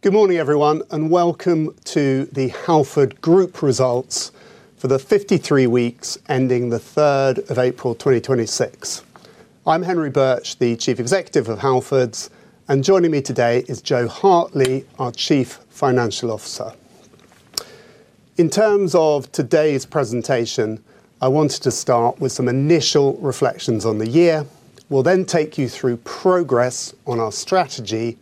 Good morning, everyone, and welcome to the Halfords Group results for the 53 weeks ending the 3rd of April 2026. I'm Henry Birch, the Chief Executive of Halfords, and joining me today is Jo Hartley, our Chief Financial Officer. In terms of today's presentation, I wanted to start with some initial reflections on the year. We'll then take you through progress on our strategy.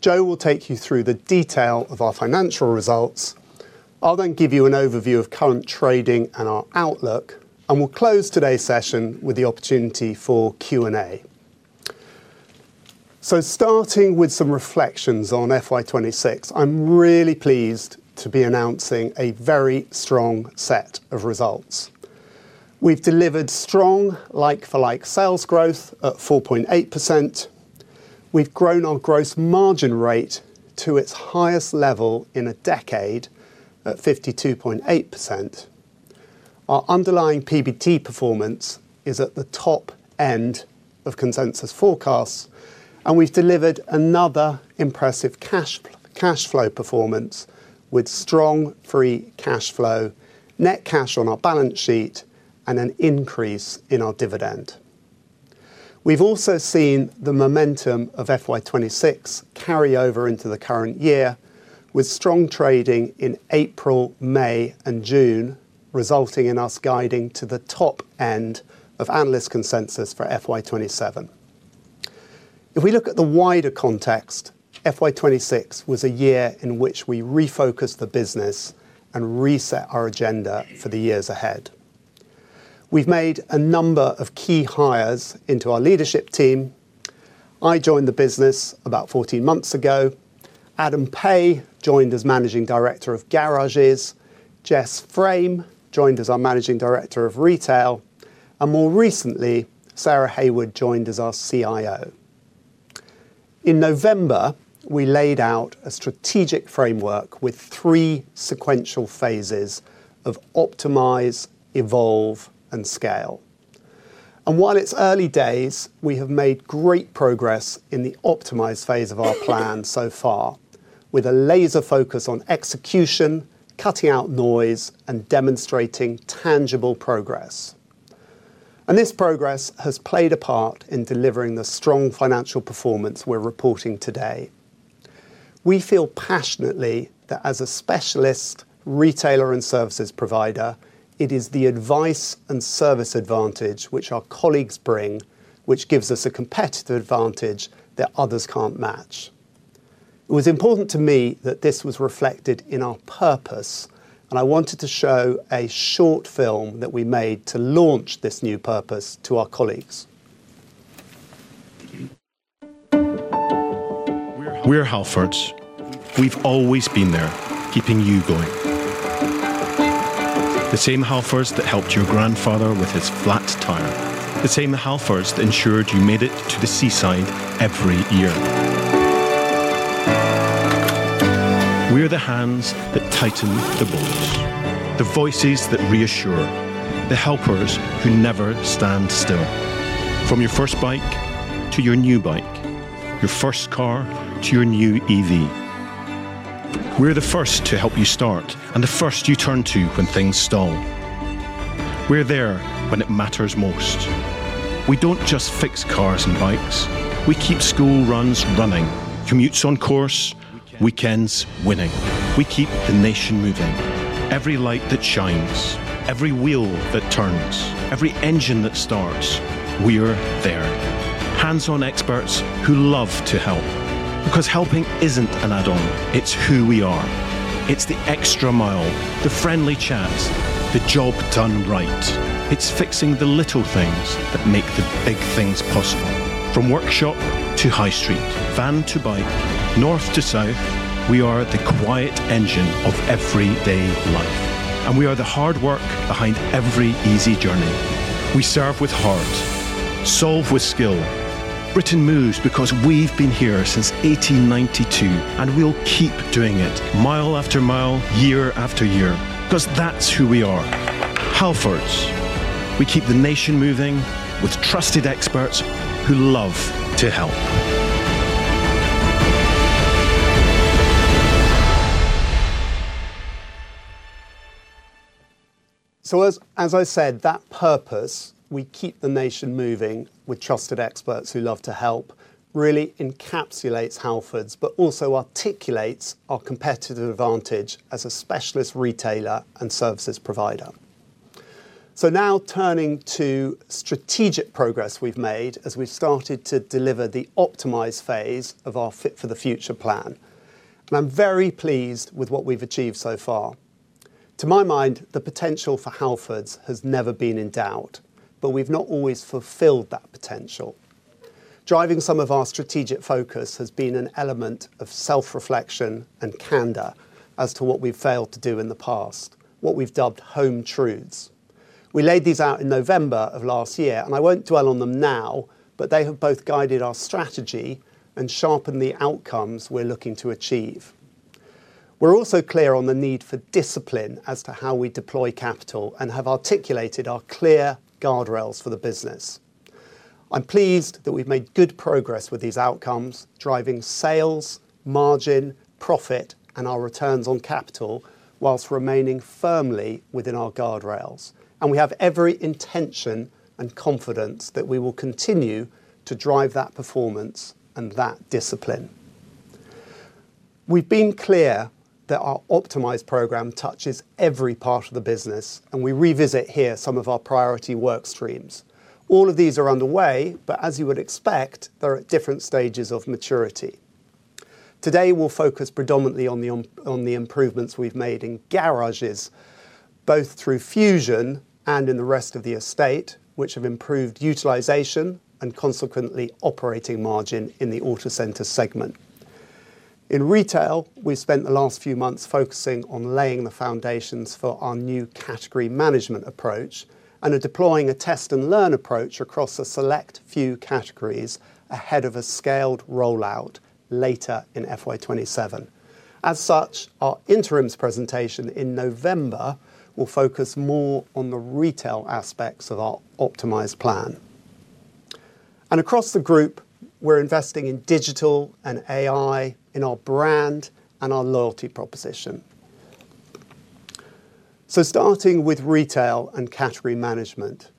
Jo will take you through the detail of our financial results. I'll then give you an overview of current trading and our outlook, and we'll close today's session with the opportunity for Q&A. Starting with some reflections on FY 2026, I'm really pleased to be announcing a very strong set of results. We've delivered strong like-for-like sales growth at 4.8%. We've grown our gross margin rate to its highest level in a decade at 52.8%. Our underlying PBT performance is at the top end of consensus forecasts, and we've delivered another impressive cash flow performance with strong free cash flow, net cash on our balance sheet, and an increase in our dividend. We've also seen the momentum of FY 2026 carry over into the current year with strong trading in April, May, and June, resulting in us guiding to the top end of analyst consensus for FY 2027. If we look at the wider context, FY 2026 was a year in which we refocused the business and reset our agenda for the years ahead. We've made a number of key hires into our leadership team. I joined the business about 14 months ago. Adam Pay joined as Managing Director of Garages. Jess Frame joined as our Managing Director of Retail, and more recently, Sarah Haywood joined as our CIO. In November, we laid out a strategic framework with three sequential phases of optimize, evolve, and scale. While it's early days, we have made great progress in the optimize phase of our plan so far, with a laser focus on execution, cutting out noise, and demonstrating tangible progress. This progress has played a part in delivering the strong financial performance we're reporting today. We feel passionately that as a specialist retailer and services provider, it is the advice and service advantage which our colleagues bring, which gives us a competitive advantage that others can't match. It was important to me that this was reflected in our purpose, and I wanted to show a short film that we made to launch this new purpose to our colleagues. We're Halfords. We've always been there, keeping you going. The same Halfords that helped your grandfather with his flat tire. The same Halfords ensured you made it to the seaside every year. We are the hands that tighten the bolts, the voices that reassure, the helpers who never stand still. From your first bike to your new bike, your first car to your new EV. We're the first to help you start and the first you turn to when things stall. We're there when it matters most. We don't just fix cars and bikes. We keep school runs running, commutes on course, weekends winning. We keep the nation moving. Every light that shines, every wheel that turns, every engine that starts, we're there. Hands-on experts who love to help. Because helping isn't an add-on, it's who we are. It's the extra mile, the friendly chat, the job done right. It's fixing the little things that make the big things possible. From workshop to high street, van to bike, north to south, we are the quiet engine of everyday life, and we are the hard work behind every easy journey. We serve with heart, solve with skill. Britain moves because we've been here since 1892, and we'll keep doing it mile after mile, year after year because that's who we are. Halfords. We keep the nation moving with trusted experts who love to help. As I said, that purpose, we keep the nation moving with trusted experts who love to help, really encapsulates Halfords but also articulates our competitive advantage as a specialist retailer and services provider. Now turning to strategic progress we've made as we've started to deliver the optimize phase of our Fit for the Future plan, and I'm very pleased with what we've achieved so far. To my mind, the potential for Halfords has never been in doubt, but we've not always fulfilled that potential. Driving some of our strategic focus has been an element of self-reflection and candor as to what we've failed to do in the past, what we've dubbed home truths. We laid these out in November of last year, I won't dwell on them now, but they have both guided our strategy and sharpened the outcomes we're looking to achieve. We're also clear on the need for discipline as to how we deploy capital and have articulated our clear guardrails for the business. I'm pleased that we've made good progress with these outcomes, driving sales, margin, profit, and our returns on capital whilst remaining firmly within our guardrails. We have every intention and confidence that we will continue to drive that performance and that discipline. We've been clear that our Optimize program touches every part of the business, and we revisit here some of our priority work streams. All of these are underway, but as you would expect, they're at different stages of maturity. Today, we'll focus predominantly on the improvements we've made in garages, both through Fusion and in the rest of the estate, which have improved utilization and consequently operating margin in the Autocentres segment. In retail, we spent the last few months focusing on laying the foundations for our new category management approach and are deploying a test-and-learn approach across a select few categories ahead of a scaled rollout later in FY 2027. As such, our interims presentation in November will focus more on the retail aspects of our Optimize plan. Across the group, we're investing in digital and AI in our brand and our loyalty proposition. Starting with retail and category management.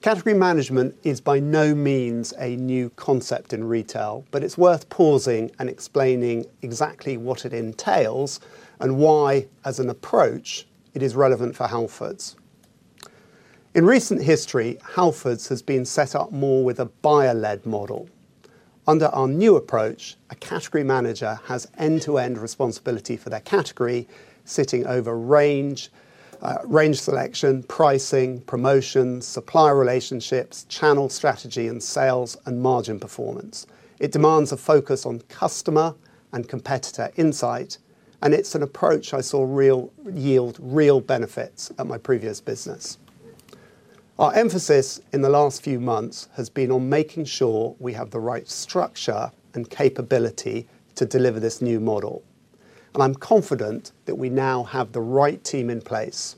Category management is by no means a new concept in retail, but it's worth pausing and explaining exactly what it entails and why, as an approach, it is relevant for Halfords. In recent history, Halfords has been set up more with a buyer-led model. Under our new approach, a category manager has end-to-end responsibility for their category, sitting over range selection, pricing, promotions, supplier relationships, channel strategy, and sales and margin performance. It demands a focus on customer and competitor insight, and it's an approach I saw yield real benefits at my previous business. Our emphasis in the last few months has been on making sure we have the right structure and capability to deliver this new model, and I'm confident that we now have the right team in place.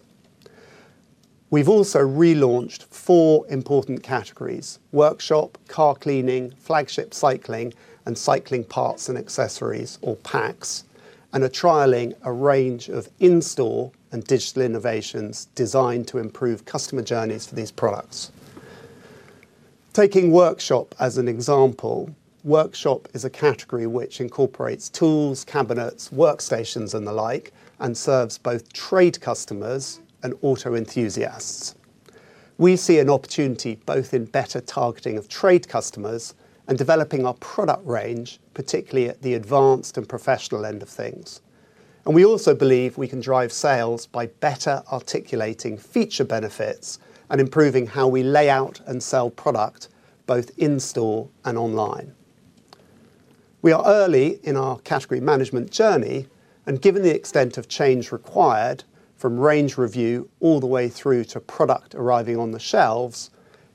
We've also relaunched four important categories, workshop, car cleaning, flagship cycling, and cycling parts and accessories, or PACS, and are trialing a range of in-store and digital innovations designed to improve customer journeys for these products. Taking workshop as an example, workshop is a category which incorporates tools, cabinets, workstations, and the like and serves both trade customers and auto enthusiasts. We see an opportunity both in better targeting of trade customers and developing our product range, particularly at the advanced and professional end of things. We also believe we can drive sales by better articulating feature benefits and improving how we lay out and sell product both in-store and online. We are early in our category management journey and given the extent of change required from range review all the way through to product arriving on the shelves,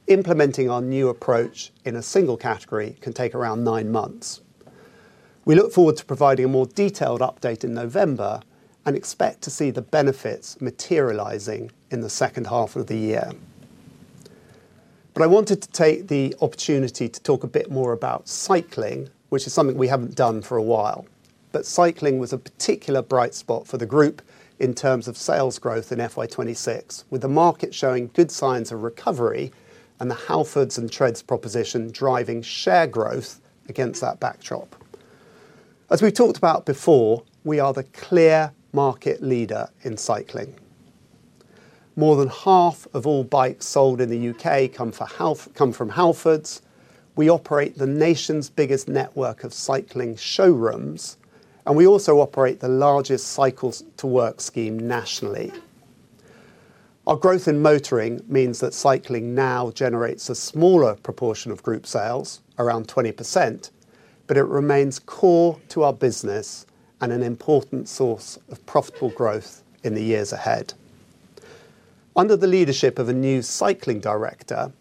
implementing our new approach in a single category can take around nine months. We look forward to providing a more detailed update in November and expect to see the benefits materializing in the second half of the year. I wanted to take the opportunity to talk a bit more about cycling, which is something we haven't done for a while. Cycling was a particular bright spot for the group in terms of sales growth in FY 2026, with the market showing good signs of recovery and the Halfords and Tredz proposition driving share growth against that backdrop. As we've talked about before, we are the clear market leader in cycling. More than half of all bikes sold in the U.K. come from Halfords. We operate the nation's biggest network of cycling showrooms, and we also operate the largest Cycle2Work scheme nationally. Our growth in motoring means that cycling now generates a smaller proportion of group sales, around 20%, but it remains core to our business and an important source of profitable growth in the years ahead. Under the leadership of a new cycling director,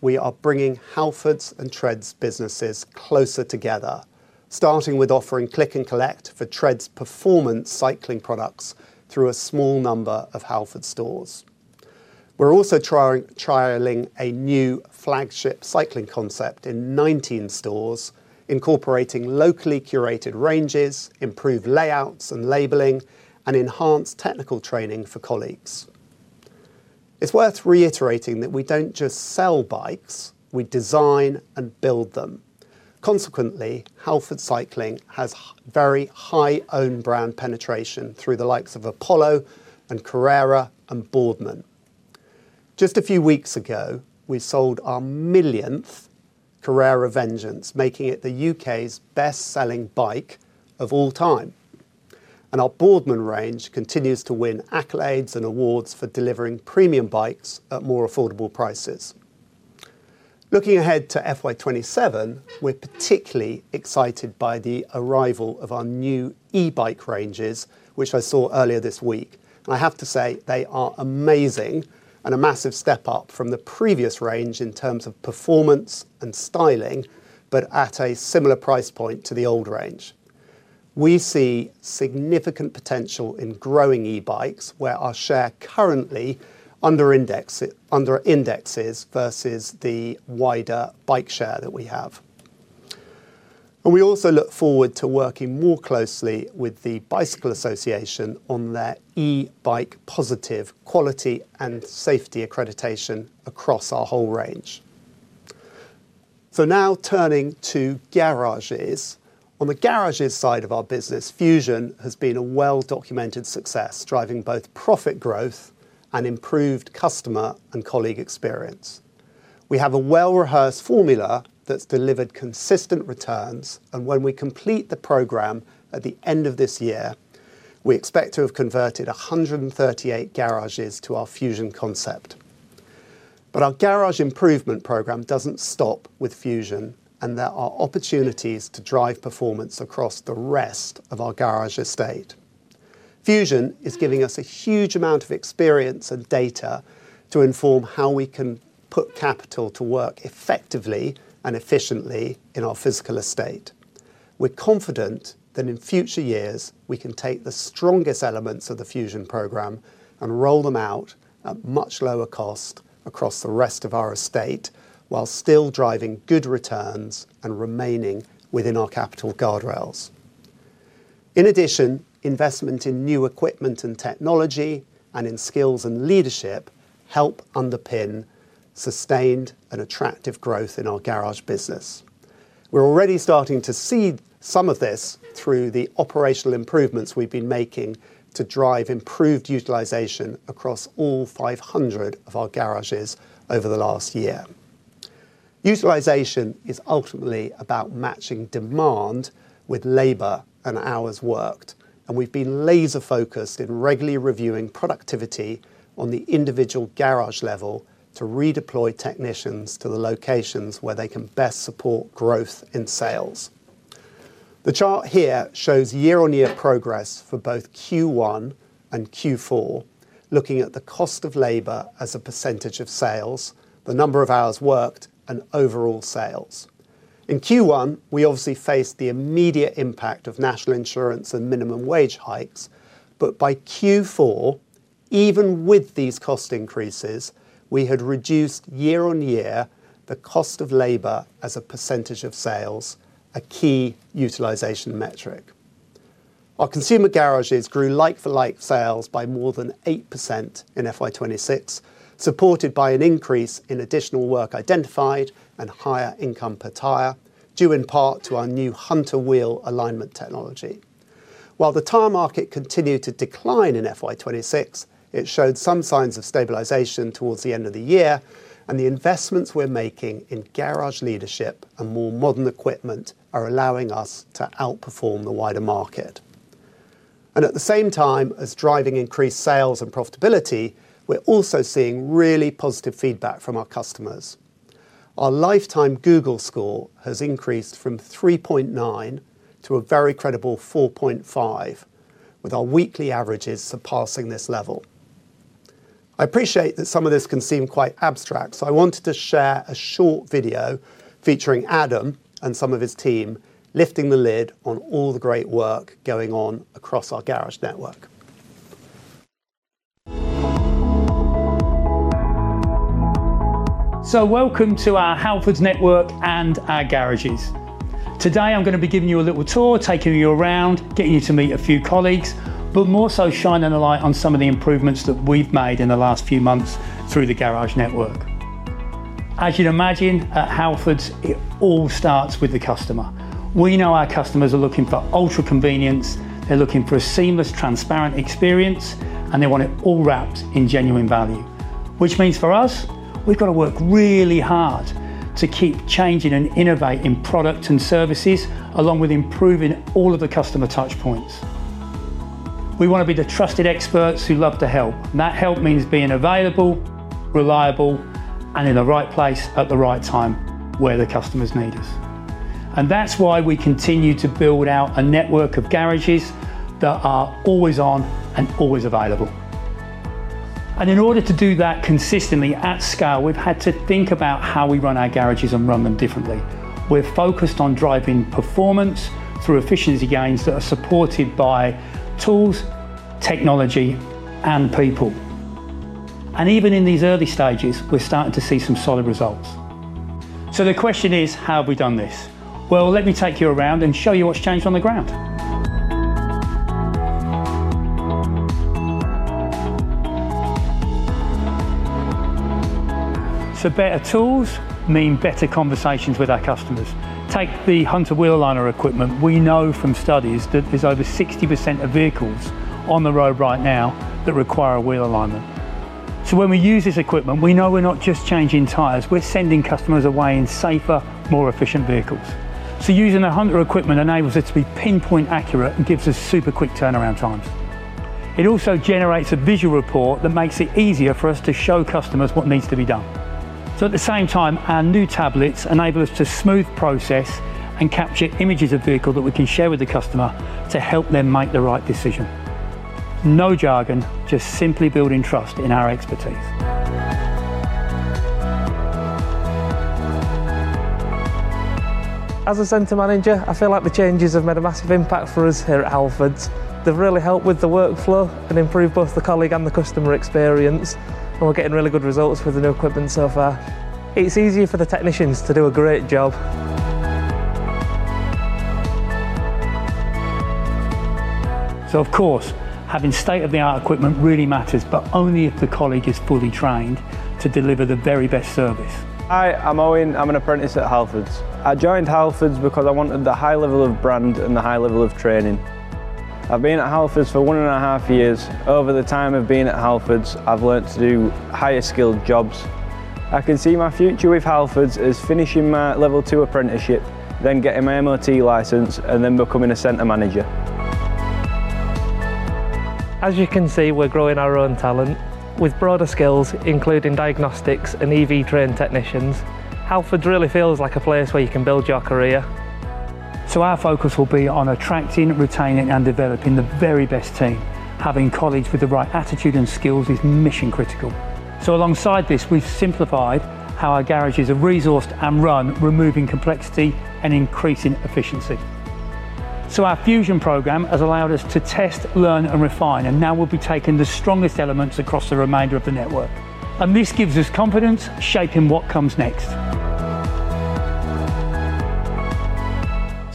we are bringing Halfords and Tredz businesses closer together, starting with offering click and collect for Tredz performance cycling products through a small number of Halfords stores. We're also trialing a new flagship cycling concept in 19 stores, incorporating locally curated ranges, improved layouts and labeling, and enhanced technical training for colleagues. It's worth reiterating that we don't just sell bikes, we design and build them. Consequently, Halfords cycling has very high own brand penetration through the likes of Apollo and Carrera and Boardman. Just a few weeks ago, we sold our millionth Carrera Vengeance, making it the U.K.'s best-selling bike of all time. Our Boardman range continues to win accolades and awards for delivering premium bikes at more affordable prices. Looking ahead to FY 2027, we're particularly excited by the arrival of our new e-bike ranges, which I saw earlier this week. I have to say they are amazing and a massive step up from the previous range in terms of performance and styling, but at a similar price point to the old range. We see significant potential in growing e-bikes where our share currently under indexes versus the wider bike share that we have. We also look forward to working more closely with the Bicycle Association on their e-bike positive quality and safety accreditation across our whole range. Now turning to garages. On the garages side of our business, Fusion has been a well-documented success, driving both profit growth and improved customer and colleague experience. We have a well-rehearsed formula that's delivered consistent returns, and when we complete the program at the end of this year, we expect to have converted 138 garages to our Fusion concept. Our garage improvement program doesn't stop with Fusion, and there are opportunities to drive performance across the rest of our garage estate. Fusion is giving us a huge amount of experience and data to inform how we can put capital to work effectively and efficiently in our physical estate. We're confident that in future years we can take the strongest elements of the Fusion program and roll them out at much lower cost across the rest of our estate, while still driving good returns and remaining within our capital guardrails. In addition, investment in new equipment and technology and in skills and leadership help underpin sustained and attractive growth in our garage business. We're already starting to see some of this through the operational improvements we've been making to drive improved utilization across all 500 of our garages over the last year. Utilization is ultimately about matching demand with labor and hours worked, and we've been laser-focused in regularly reviewing productivity on the individual garage level to redeploy technicians to the locations where they can best support growth in sales. The chart here shows year-on-year progress for both Q1 and Q4, looking at the cost of labor as a percentage of sales, the number of hours worked, and overall sales. In Q1, we obviously faced the immediate impact of national insurance and minimum wage hikes. By Q4, even with these cost increases, we had reduced year-on-year the cost of labor as a percentage of sales, a key utilization metric. Our consumer garages grew like-for-like sales by more than 8% in FY 2026, supported by an increase in additional work identified and higher income per tire, due in part to our new Hunter wheel alignment technology. While the tire market continued to decline in FY 2026, it showed some signs of stabilization towards the end of the year, and the investments we're making in garage leadership and more modern equipment are allowing us to outperform the wider market. At the same time as driving increased sales and profitability, we're also seeing really positive feedback from our customers. Our lifetime Google score has increased from 3.9 to a very credible 4.5, with our weekly averages surpassing this level. I appreciate that some of this can seem quite abstract. I wanted to share a short video featuring Adam and some of his team lifting the lid on all the great work going on across our garage network. Welcome to our Halfords network and our garages. Today, I'm going to be giving you a little tour, taking you around, getting you to meet a few colleagues, but more so shining a light on some of the improvements that we've made in the last few months through the garage network. As you'd imagine, at Halfords, it all starts with the customer. We know our customers are looking for ultra convenience, they're looking for a seamless, transparent experience, and they want it all wrapped in genuine value. Which means for us, we've got to work really hard to keep changing and innovate in product and services, along with improving all of the customer touch points. We want to be the trusted experts who love to help. That help means being available, reliable, and in the right place at the right time where the customers need us. That's why we continue to build out a network of garages that are always on and always available. In order to do that consistently at scale, we've had to think about how we run our garages and run them differently. We're focused on driving performance through efficiency gains that are supported by tools, technology, and people. Even in these early stages, we're starting to see some solid results. The question is: how have we done this? Well, let me take you around and show you what's changed on the ground. Better tools mean better conversations with our customers. Take the Hunter wheel aligner equipment. We know from studies that there's over 60% of vehicles on the road right now that require a wheel alignment. When we use this equipment, we know we're not just changing tires, we're sending customers away in safer, more efficient vehicles. Using the Hunter equipment enables it to be pinpoint accurate and gives us super quick turnaround times. It also generates a visual report that makes it easier for us to show customers what needs to be done. At the same time, our new tablets enable us to smooth process and capture images of vehicle that we can share with the customer to help them make the right decision. No jargon, just simply building trust in our expertise. As a center manager, I feel like the changes have made a massive impact for us here at Halfords. They've really helped with the workflow and improved both the colleague and the customer experience, and we're getting really good results with the new equipment so far. It's easier for the technicians to do a great job. Of course, having state-of-the-art equipment really matters, but only if the colleague is fully trained to deliver the very best service. Hi, I'm Owen. I'm an apprentice at Halfords. I joined Halfords because I wanted the high level of brand and the high level of training. I've been at Halfords for one and a half years. Over the time I've been at Halfords, I've learned to do higher skilled jobs. I can see my future with Halfords as finishing my level two apprenticeship, then getting my MOT license, and then becoming a center manager. As you can see, we're growing our own talent with broader skills, including diagnostics and EV-trained technicians. Halfords really feels like a place where you can build your career. Our focus will be on attracting, retaining, and developing the very best team. Having colleagues with the right attitude and skills is mission critical. Alongside this, we've simplified how our garages are resourced and run, removing complexity and increasing efficiency. Our Fusion program has allowed us to test, learn, and refine, and now we'll be taking the strongest elements across the remainder of the network. This gives us confidence shaping what comes next.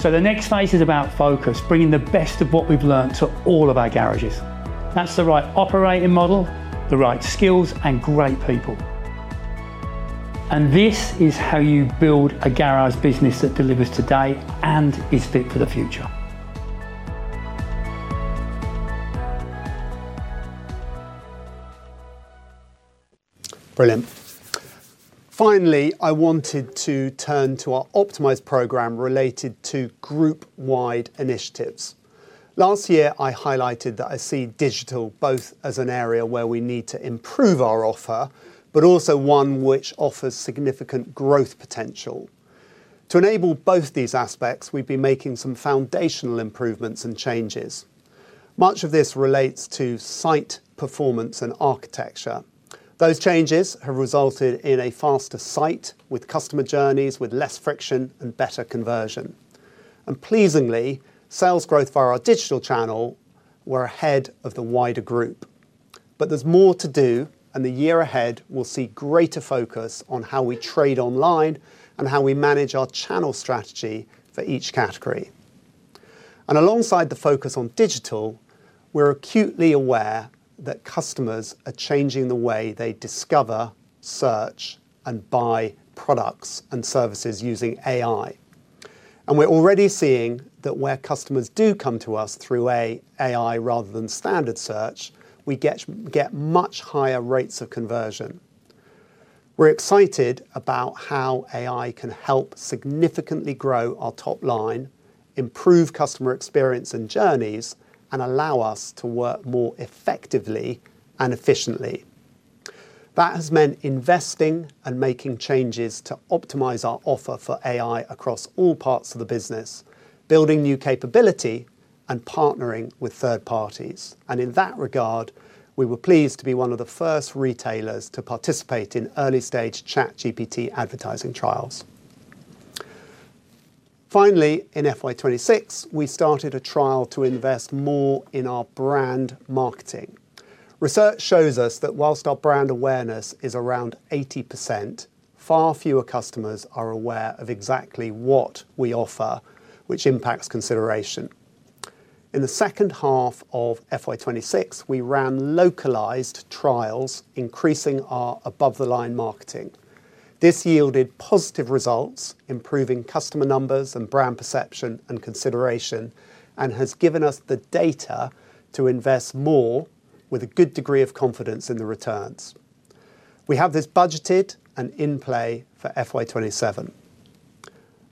The next phase is about focus, bringing the best of what we've learned to all of our garages. That's the right operating model, the right skills, and great people. This is how you build a garage business that delivers today and is Fit for the Future. Brilliant. Finally, I wanted to turn to our optimized program related to group-wide initiatives. Last year, I highlighted that I see digital both as an area where we need to improve our offer, but also one which offers significant growth potential. To enable both these aspects, we've been making some foundational improvements and changes. Much of this relates to site performance and architecture. Those changes have resulted in a faster site with customer journeys, with less friction, and better conversion. Pleasingly, sales growth via our digital channel were ahead of the wider group. There's more to do, and the year ahead will see greater focus on how we trade online and how we manage our channel strategy for each category. Alongside the focus on digital, we're acutely aware that customers are changing the way they discover, search, and buy products and services using AI. We're already seeing that where customers do come to us through AI rather than standard search, we get much higher rates of conversion. We're excited about how AI can help significantly grow our top line, improve customer experience and journeys, and allow us to work more effectively and efficiently. That has meant investing and making changes to optimize our offer for AI across all parts of the business, building new capability, and partnering with third parties. In that regard, we were pleased to be one of the first retailers to participate in early-stage ChatGPT advertising trials. Finally, in FY 2026, we started a trial to invest more in our brand marketing. Research shows us that whilst our brand awareness is around 80%, far fewer customers are aware of exactly what we offer, which impacts consideration. In the second half of FY 2026, we ran localized trials increasing our above-the-line marketing. This yielded positive results, improving customer numbers and brand perception and consideration, and has given us the data to invest more with a good degree of confidence in the returns. We have this budgeted and in play for FY 2027.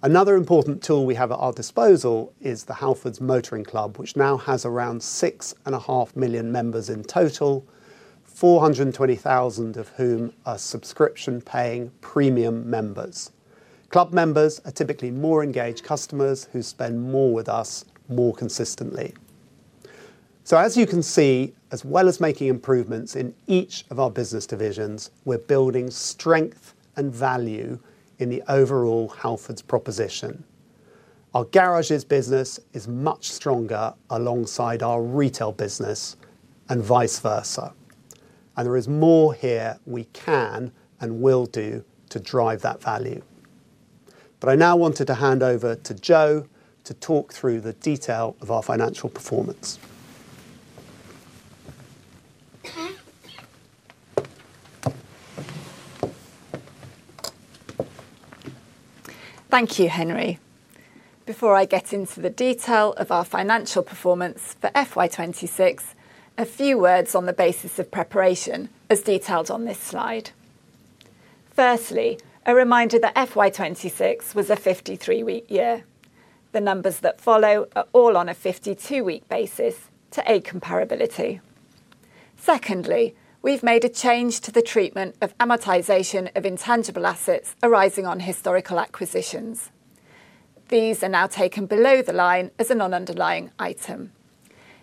Another important tool we have at our disposal is the Halfords Motoring Club, which now has around 6.5 million members in total, 420,000 of whom are subscription-paying premium members. Club members are typically more engaged customers who spend more with us more consistently. As you can see, as well as making improvements in each of our business divisions, we're building strength and value in the overall Halfords proposition. Our garages business is much stronger alongside our retail business, and vice versa. There is more here we can and will do to drive that value. I now wanted to hand over to Jo to talk through the detail of our financial performance. Thank you, Henry. Before I get into the detail of our financial performance for FY 2026, a few words on the basis of preparation as detailed on this slide. Firstly, a reminder that FY 2026 was a 53-week year. The numbers that follow are all on a 52-week basis to aid comparability. Secondly, we've made a change to the treatment of amortization of intangible assets arising on historical acquisitions. These are now taken below the line as a non-underlying item.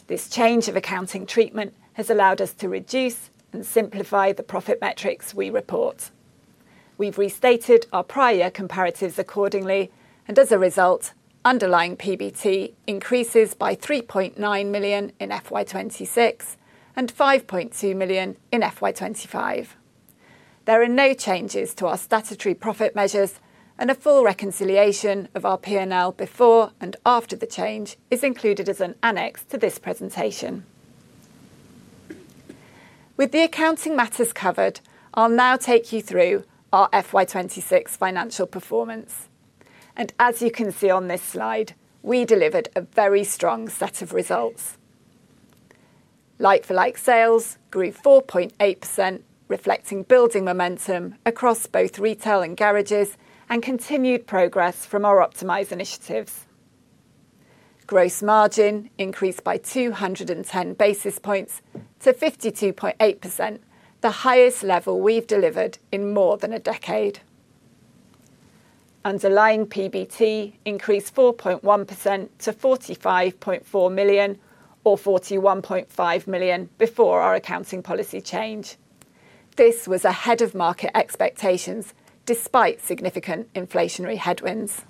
This change of accounting treatment has allowed us to reduce and simplify the profit metrics we report. We've restated our prior comparatives accordingly, and as a result, underlying PBT increases by 3.9 million in FY 2026 and 5.2 million in FY 2025. There are no changes to our statutory profit measures, and a full reconciliation of our P&L before and after the change is included as an annex to this presentation. With the accounting matters covered, I'll now take you through our FY 2026 financial performance. As you can see on this slide, we delivered a very strong set of results. Like-for-like sales grew 4.8%, reflecting building momentum across both retail and garages, and continued progress from our optimize initiatives. Gross margin increased by 210 basis points to 52.8%, the highest level we've delivered in more than a decade. Underlying PBT increased 4.1% to 45.4 million, or 41.5 million before our accounting policy change. This was ahead of market expectations despite significant inflationary headwinds.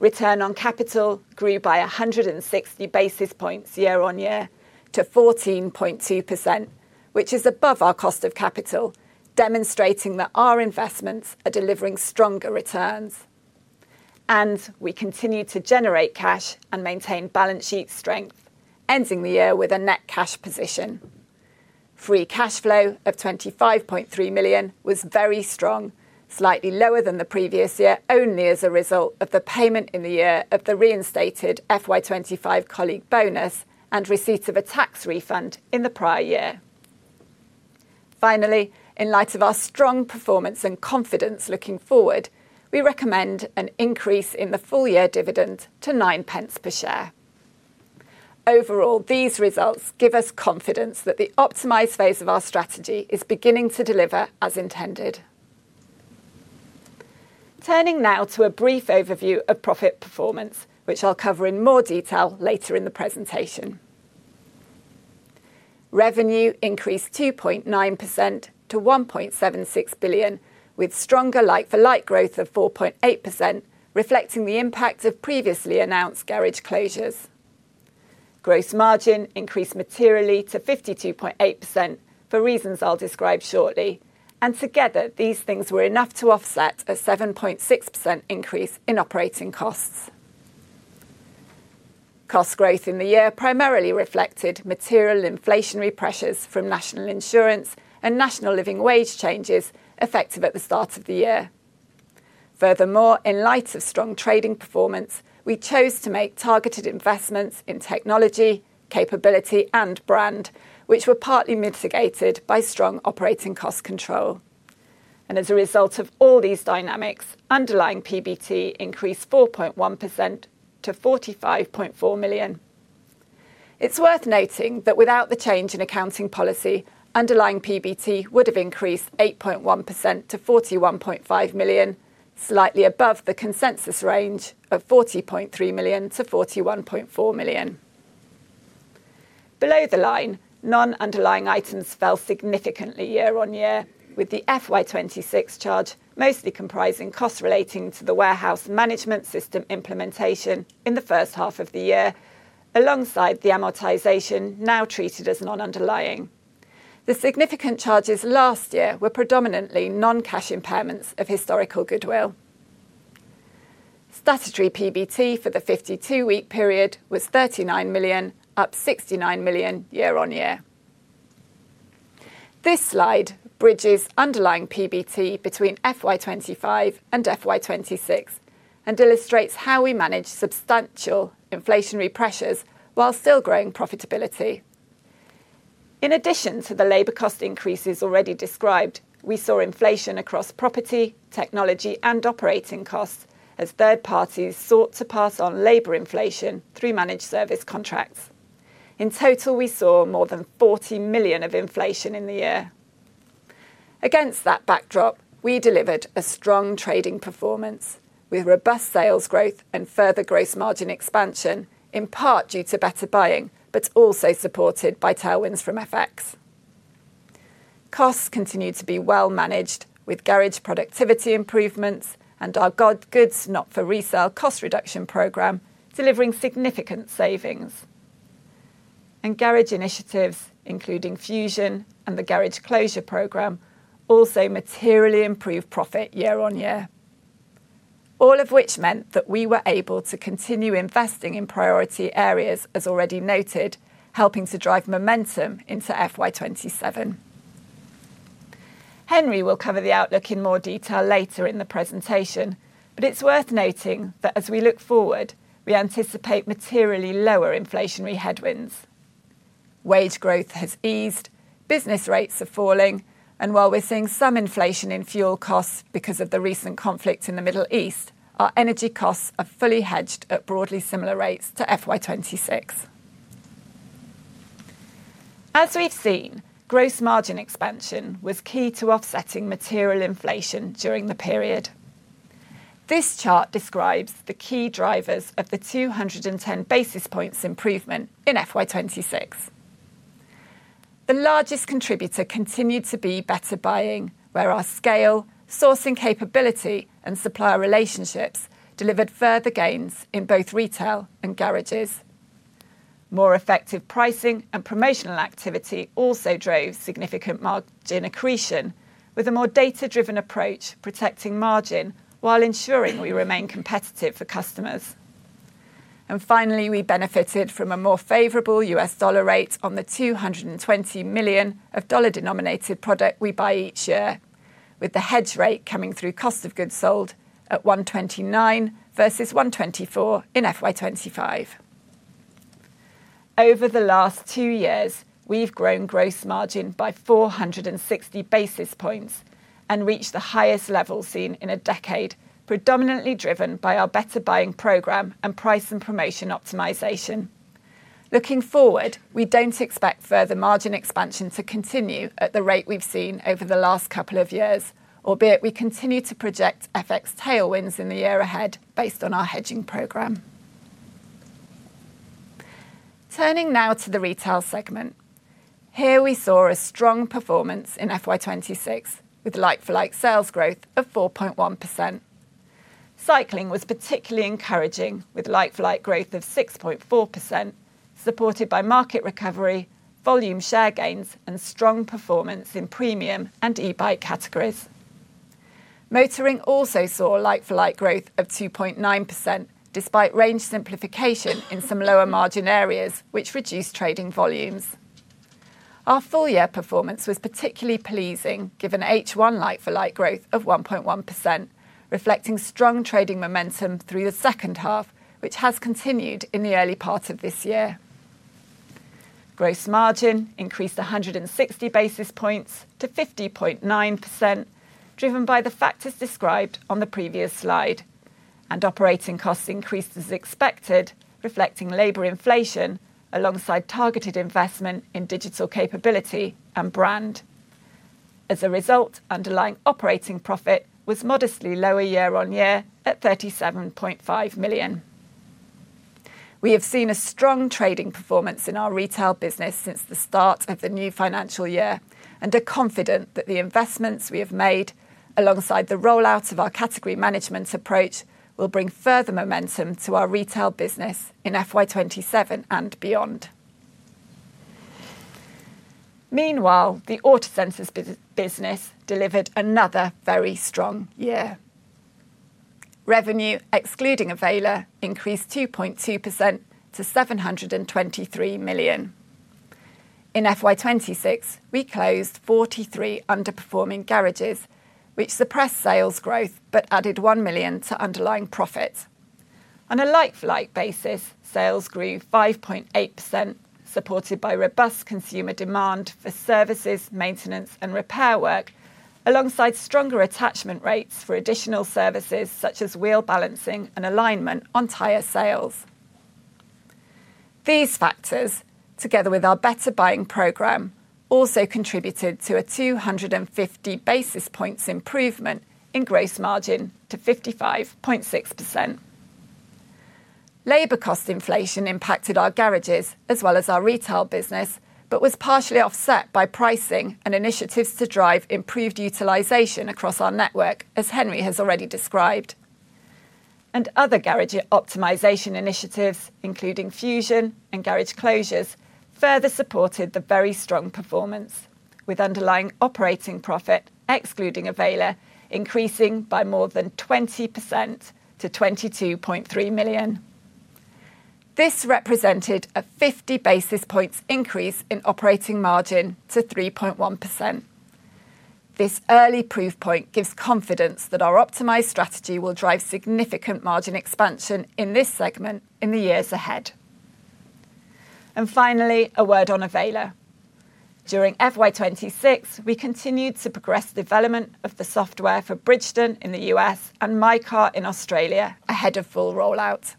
Return on capital grew by 160 basis points year-on-year to 14.2%, which is above our cost of capital, demonstrating that our investments are delivering stronger returns. We continued to generate cash and maintain balance sheet strength, ending the year with a net cash position. Free cash flow of 25.3 million was very strong, slightly lower than the previous year only as a result of the payment in the year of the reinstated FY 2025 colleague bonus and receipt of a tax refund in the prior year. Finally, in light of our strong performance and confidence looking forward, we recommend an increase in the full-year dividend to 0.09 per share. Overall, these results give us confidence that the optimized phase of our strategy is beginning to deliver as intended. Turning now to a brief overview of profit performance, which I'll cover in more detail later in the presentation. Revenue increased 2.9% to 1.76 billion, with stronger like-for-like growth of 4.8%, reflecting the impact of previously announced garage closures. Gross margin increased materially to 52.8% for reasons I'll describe shortly. Together these things were enough to offset a 7.6% increase in operating costs. Cost growth in the year primarily reflected material inflationary pressures from national insurance and national living wage changes effective at the start of the year. Furthermore, in light of strong trading performance, we chose to make targeted investments in technology, capability, and brand, which were partly mitigated by strong operating cost control. As a result of all these dynamics, underlying PBT increased 4.1% to 45.4 million. It is worth noting that without the change in accounting policy, underlying PBT would have increased 8.1% to 41.5 million, slightly above the consensus range of 40.3 million-41.4 million. Below the line, non-underlying items fell significantly year-on-year, with the FY 2026 charge mostly comprising costs relating to the Warehouse Management System implementation in the first half of the year, alongside the amortization now treated as non-underlying. The significant charges last year were predominantly non-cash impairments of historical goodwill. Statutory PBT for the 52-week period was 39 million, up 69 million year-on-year. This slide bridges underlying PBT between FY 2025 and FY 2026 and illustrates how we managed substantial inflationary pressures while still growing profitability. In addition to the labor cost increases already described, we saw inflation across property, technology, and operating costs as third parties sought to pass on labor inflation through managed service contracts. In total, we saw more than 40 million of inflation in the year. Against that backdrop, we delivered a strong trading performance with robust sales growth and further gross margin expansion, in part due to better buying, but also supported by tailwinds from FX. Costs continued to be well managed with garage productivity improvements and our goods not for resale cost reduction program delivering significant savings. Garage initiatives, including Fusion and the garage closure program, also materially improved profit year-on-year. All of which meant that we were able to continue investing in priority areas as already noted, helping to drive momentum into FY 2027. Henry will cover the outlook in more detail later in the presentation, but it is worth noting that as we look forward, we anticipate materially lower inflationary headwinds. Wage growth has eased, business rates are falling, and while we are seeing some inflation in fuel costs because of the recent conflict in the Middle East, our energy costs are fully hedged at broadly similar rates to FY 2026. As we have seen, gross margin expansion was key to offsetting material inflation during the period. This chart describes the key drivers of the 210 basis points improvement in FY 2026. The largest contributor continued to be Better Buying, where our scale, sourcing capability, and supplier relationships delivered further gains in both retail and garages. More effective pricing and promotional activity also drove significant margin accretion with a more data-driven approach, protecting margin while ensuring we remain competitive for customers. Finally, we benefited from a more favorable U.S. dollar rate on the $220 million of dollar-denominated product we buy each year, with the hedge rate coming through cost of goods sold at 129 versus 124 in FY 2025. Over the last two years, we have grown gross margin by 460 basis points and reached the highest level seen in a decade, predominantly driven by our Better Buying program and price and promotion optimization. Looking forward, we do not expect further margin expansion to continue at the rate we have seen over the last couple of years, albeit we continue to project FX tailwinds in the year ahead based on our hedging program. Turning now to the retail segment. Here we saw a strong performance in FY 2026 with like-for-like sales growth of 4.1%. Cycling was particularly encouraging with like-for-like growth of 6.4%, supported by market recovery, volume share gains, and strong performance in premium and e-bike categories. Motoring also saw like-for-like growth of 2.9%, despite range simplification in some lower margin areas, which reduced trading volumes. Our full year performance was particularly pleasing given H1 like-for-like growth of 1.1%, reflecting strong trading momentum through the second half, which has continued in the early part of this year. Gross margin increased 160 basis points to 50.9%, driven by the factors described on the previous slide, and operating costs increased as expected, reflecting labor inflation alongside targeted investment in digital capability and brand. As a result, underlying operating profit was modestly lower year-on-year at 37.5 million. We have seen a strong trading performance in our retail business since the start of the new financial year and are confident that the investments we have made alongside the rollout of our category management approach will bring further momentum to our retail business in FY 2027 and beyond. Meanwhile, the Autocentres business delivered another very strong year. Revenue, excluding Avayler, increased 2.2% to 723 million. In FY 2026, we closed 43 underperforming garages, which suppressed sales growth but added 1 million to underlying profit. On a like-for-like basis, sales grew 5.8%, supported by robust consumer demand for services, maintenance, and repair work, alongside stronger attachment rates for additional services such as wheel balancing and alignment on tire sales. These factors, together with our Better Buying program, also contributed to a 250 basis points improvement in gross margin to 55.6%. Labor cost inflation impacted our garages as well as our retail business but was partially offset by pricing and initiatives to drive improved utilization across our network, as Henry has already described. Other garage optimization initiatives, including Fusion and garage closures, further supported the very strong performance with underlying operating profit, excluding Avayler, increasing by more than 20% to 22.3 million. This represented a 50 basis points increase in operating margin to 3.1%. This early proof point gives confidence that our optimized strategy will drive significant margin expansion in this segment in the years ahead. Finally, a word on Avayler. During FY 2026, we continued to progress development of the software for Bridgestone in the U.S. and MyCar in Australia ahead of full rollout.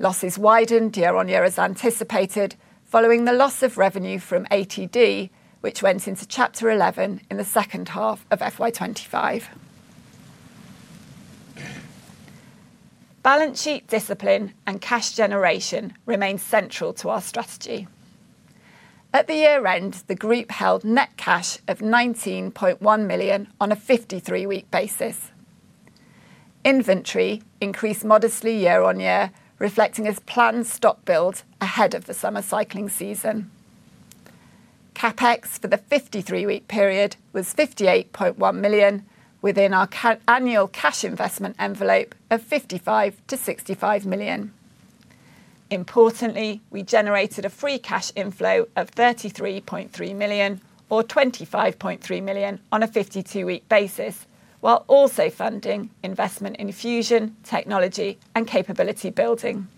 Losses widened year on year as anticipated following the loss of revenue from ATD, which went into Chapter 11 in the second half of FY 2025. Balance sheet discipline and cash generation remain central to our strategy. At the year end, the group held net cash of 19.1 million on a 53-week basis. Inventory increased modestly year on year, reflecting a planned stock build ahead of the summer cycling season. CapEx for the 53-week period was 58.1 million within our annual cash investment envelope of 55 million-65 million. Importantly, we generated a free cash inflow of 33.3 million or 25.3 million on a 52-week basis, while also funding investment in Fusion, technology, and capability building.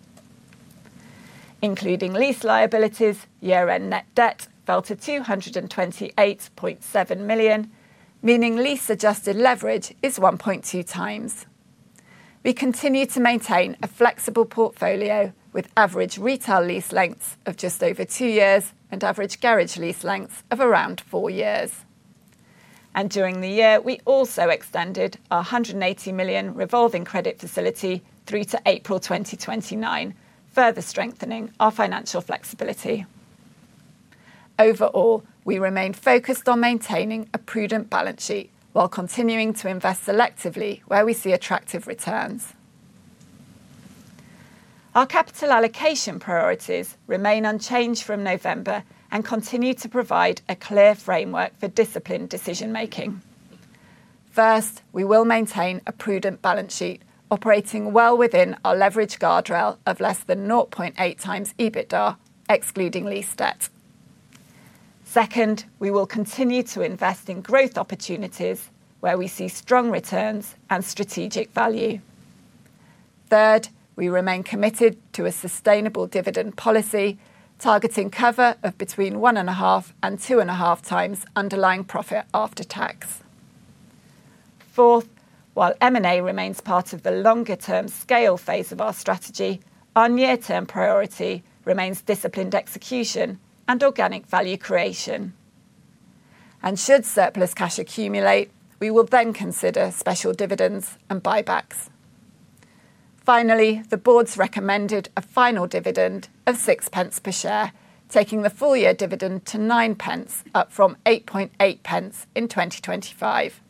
Including lease liabilities, year end net debt fell to 228.7 million, meaning lease adjusted leverage is 1.2x. We continue to maintain a flexible portfolio with average retail lease lengths of just over two years and average garage lease lengths of around four years. During the year, we also extended our 180 million revolving credit facility through to April 2029, further strengthening our financial flexibility. Overall, we remain focused on maintaining a prudent balance sheet while continuing to invest selectively where we see attractive returns. Our capital allocation priorities remain unchanged from November and continue to provide a clear framework for disciplined decision-making. First, we will maintain a prudent balance sheet operating well within our leverage guardrail of less than 0.8x EBITDA, excluding lease debt. Second, we will continue to invest in growth opportunities where we see strong returns and strategic value. Third, we remain committed to a sustainable dividend policy, targeting cover of between 1.5x and 2.5x underlying profit after tax. Fourth, while M&A remains part of the longer-term scale phase of our strategy, our near-term priority remains disciplined execution and organic value creation. Should surplus cash accumulate, we will then consider special dividends and buybacks. Finally, the Board's recommended a final dividend of 0.06 per share, taking the full-year dividend to 0.09, up from 0.088 in 2025.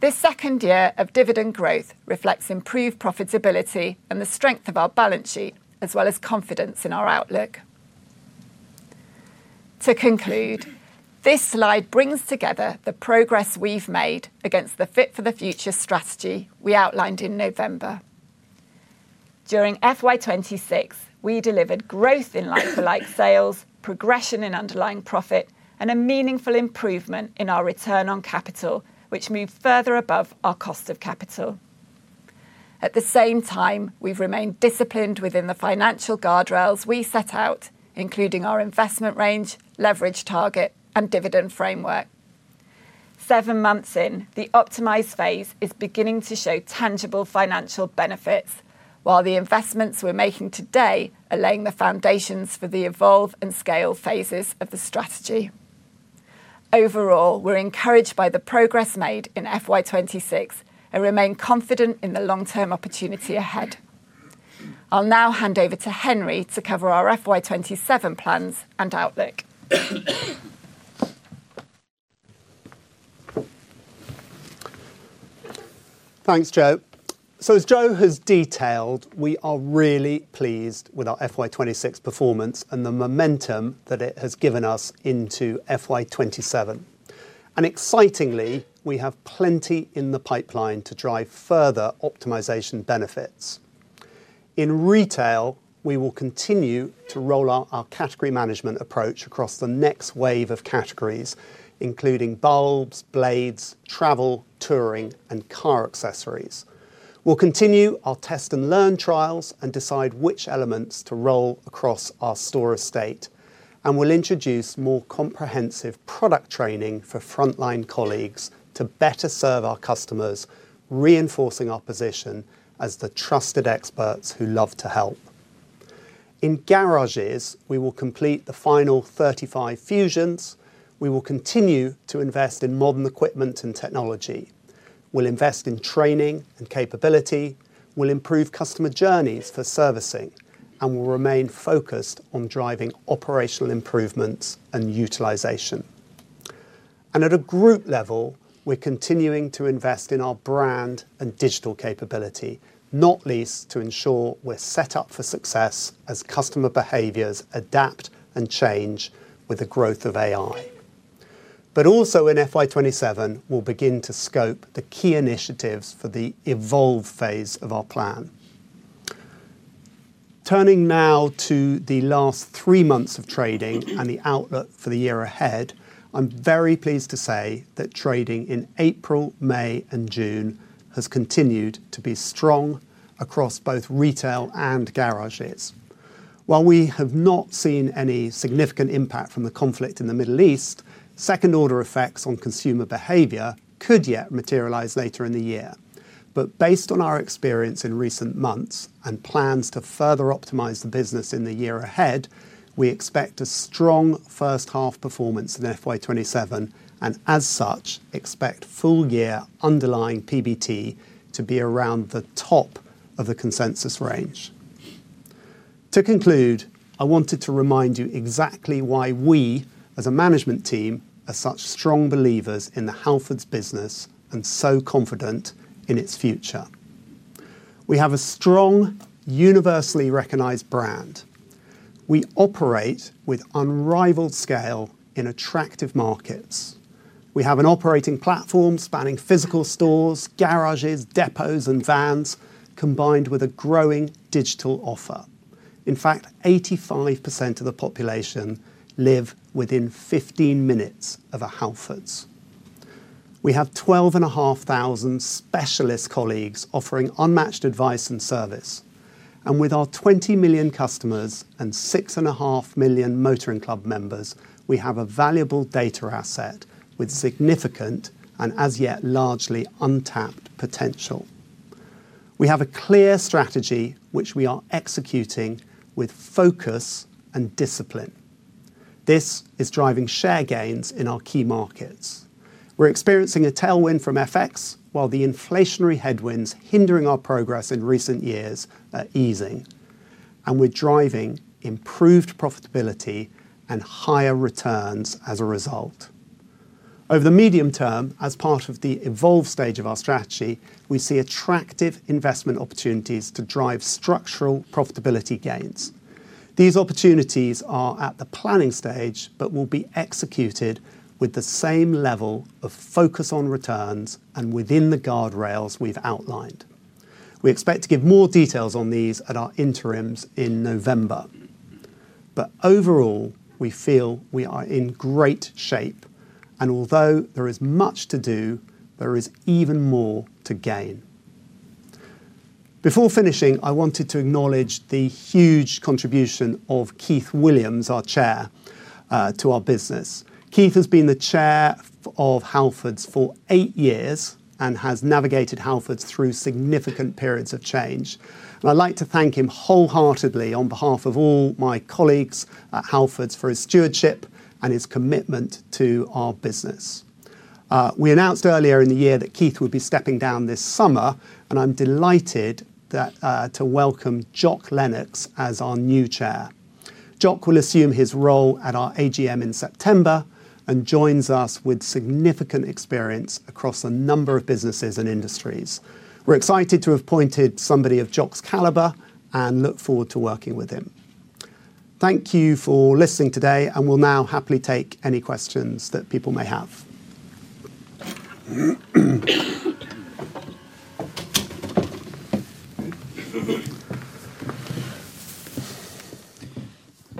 This second year of dividend growth reflects improved profitability and the strength of our balance sheet, as well as confidence in our outlook. To conclude, this slide brings together the progress we've made against the Fit for the Future strategy we outlined in November. During FY 2026, we delivered growth in like-for-like sales, progression in underlying profit, and a meaningful improvement in our return on capital, which moved further above our cost of capital. At the same time, we've remained disciplined within the financial guardrails we set out, including our investment range, leverage target, and dividend framework. Seven months in, the optimize phase is beginning to show tangible financial benefits, while the investments we're making today are laying the foundations for the evolve and scale phases of the strategy. Overall, we're encouraged by the progress made in FY 2026 and remain confident in the long-term opportunity ahead. I'll now hand over to Henry to cover our FY 2027 plans and outlook. Thanks, Jo. As Jo has detailed, we are really pleased with our FY 2026 performance and the momentum that it has given us into FY 2027. Excitingly, we have plenty in the pipeline to drive further optimization benefits. In retail, we will continue to roll out our category management approach across the next wave of categories, including bulbs, blades, travel, touring, and car accessories. We'll continue our test-and-learn trials and decide which elements to roll across our store estate. We'll introduce more comprehensive product training for frontline colleagues to better serve our customers, reinforcing our position as the trusted experts who love to help. In garages, we will complete the final 35 Fusions. We will continue to invest in modern equipment and technology. We'll invest in training and capability. We'll improve customer journeys for servicing, and we'll remain focused on driving operational improvements and utilization. At a group level, we're continuing to invest in our brand and digital capability, not least to ensure we're set up for success as customer behaviors adapt and change with the growth of AI. Also in FY 2027, we'll begin to scope the key initiatives for the evolve phase of our plan. Turning now to the last three months of trading and the outlook for the year ahead, I'm very pleased to say that trading in April, May, and June has continued to be strong across both retail and garages. While we have not seen any significant impact from the conflict in the Middle East, second-order effects on consumer behavior could yet materialize later in the year. Based on our experience in recent months and plans to further optimize the business in the year ahead, we expect a strong first half performance in FY 2027, and as such, expect full-year underlying PBT to be around the top of the consensus range. To conclude, I wanted to remind you exactly why we, as a management team, are such strong believers in the Halfords business and so confident in its future. We have a strong, universally recognized brand. We operate with unrivaled scale in attractive markets. We have an operating platform spanning physical stores, garages, depots, and vans, combined with a growing digital offer. In fact, 85% of the population live within 15 minutes of a Halfords. We have 12,500 specialist colleagues offering unmatched advice and service. With our 20 million customers and 6.5 million Halfords Motoring Club members, we have a valuable data asset with significant and as yet largely untapped potential. We have a clear strategy which we are executing with focus and discipline. This is driving share gains in our key markets. We're experiencing a tailwind from FX, while the inflationary headwinds hindering our progress in recent years are easing. We're driving improved profitability and higher returns as a result. Over the medium term, as part of the evolve stage of our strategy, we see attractive investment opportunities to drive structural profitability gains. These opportunities are at the planning stage, but will be executed with the same level of focus on returns and within the guardrails we've outlined. We expect to give more details on these at our interims in November. Overall, we feel we are in great shape, and although there is much to do, there is even more to gain. Before finishing, I wanted to acknowledge the huge contribution of Keith Williams, our Chair, to our business. Keith has been the Chair of Halfords for eight years and has navigated Halfords through significant periods of change. I'd like to thank him wholeheartedly on behalf of all my colleagues at Halfords for his stewardship and his commitment to our business. We announced earlier in the year that Keith would be stepping down this summer, and I'm delighted to welcome Jock Lennox as our new Chair. Jock will assume his role at our AGM in September and joins us with significant experience across a number of businesses and industries. We're excited to have appointed somebody of Jock's caliber and look forward to working with him. Thank you for listening today. Will now happily take any questions that people may have.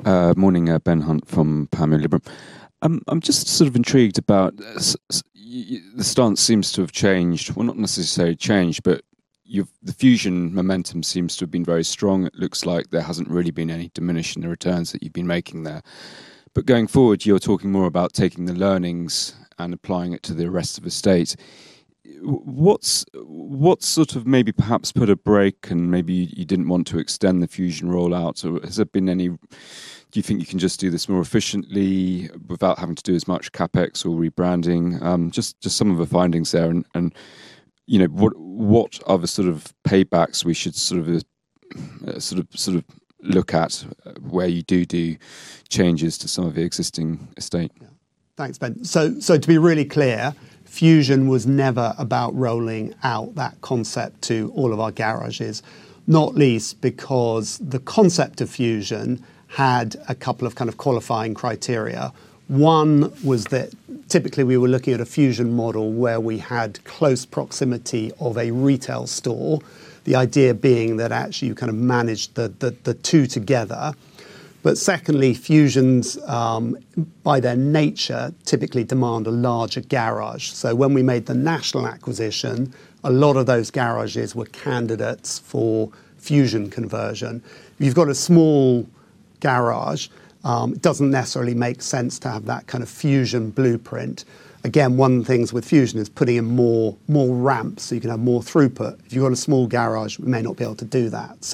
Uh. Morning. Ben Hunt from Panmure Liberum. I'm just sort of intrigued about The stance seems to have changed. Well, not necessarily changed, but the Fusion momentum seems to have been very strong. It looks like there hasn't really been any diminishing returns that you've been making there. Going forward, you're talking more about taking the learnings and applying it to the rest of estate. What's sort of maybe perhaps put a brake and maybe you didn't want to extend the Fusion rollout? Has there been any? Do you think you can just do this more efficiently without having to do as much CapEx or rebranding? Just some of the findings there and what are the sort of paybacks we should sort of look at where you do changes to some of the existing estate? Thanks, Ben. So, to be really clear, Fusion was never about rolling out that concept to all of our garages, not least because the concept of Fusion had a couple of kind of qualifying criteria. One was that typically we were looking at a Fusion model where we had close proximity of a retail store. The idea being that actually you kind of manage the two together. Secondly, Fusions, by their nature, typically demand a larger garage. When we made the national acquisition, a lot of those garages were candidates for Fusion conversion. If you've got a small garage, it doesn't necessarily make sense to have that kind of Fusion blueprint. Again, one of the things with Fusion is putting in more ramps so you can have more throughput. If you've got a small garage, we may not be able to do that.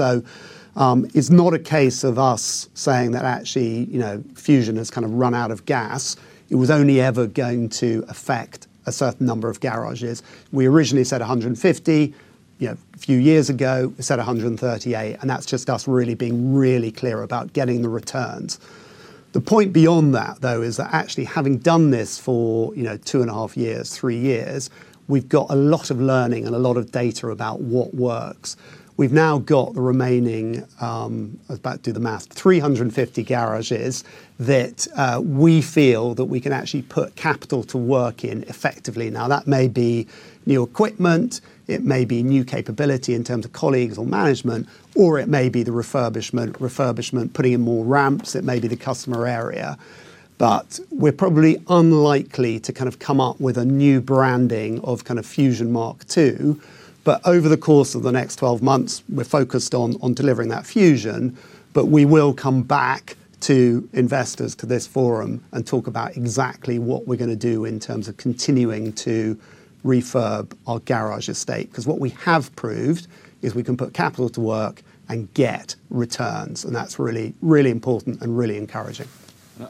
It's not a case of us saying that actually, Fusion has kind of run out of gas. It was only ever going to affect a certain number of garages. We originally said 150. A few years ago, we said 138, and that's just us really being really clear about getting the returns. The point beyond that, though, is that actually, having done this for two and a half years, three years, we've got a lot of learning and a lot of data about what works. We've now got the remaining, about, do the math, 350 garages that we feel that we can actually put capital to work in effectively. Now, that may be new equipment, it may be new capability in terms of colleagues or management, or it may be the refurbishment, putting in more ramps. It may be the customer area. We're probably unlikely to kind of come up with a new branding of kind of Fusion Mark 2. Over the course of the next 12 months, we're focused on delivering that Fusion. We will come back to investors to this forum and talk about exactly what we're going to do in terms of continuing to refurb our garage estate. Because what we have proved is we can put capital to work and get returns, and that's really important and really encouraging.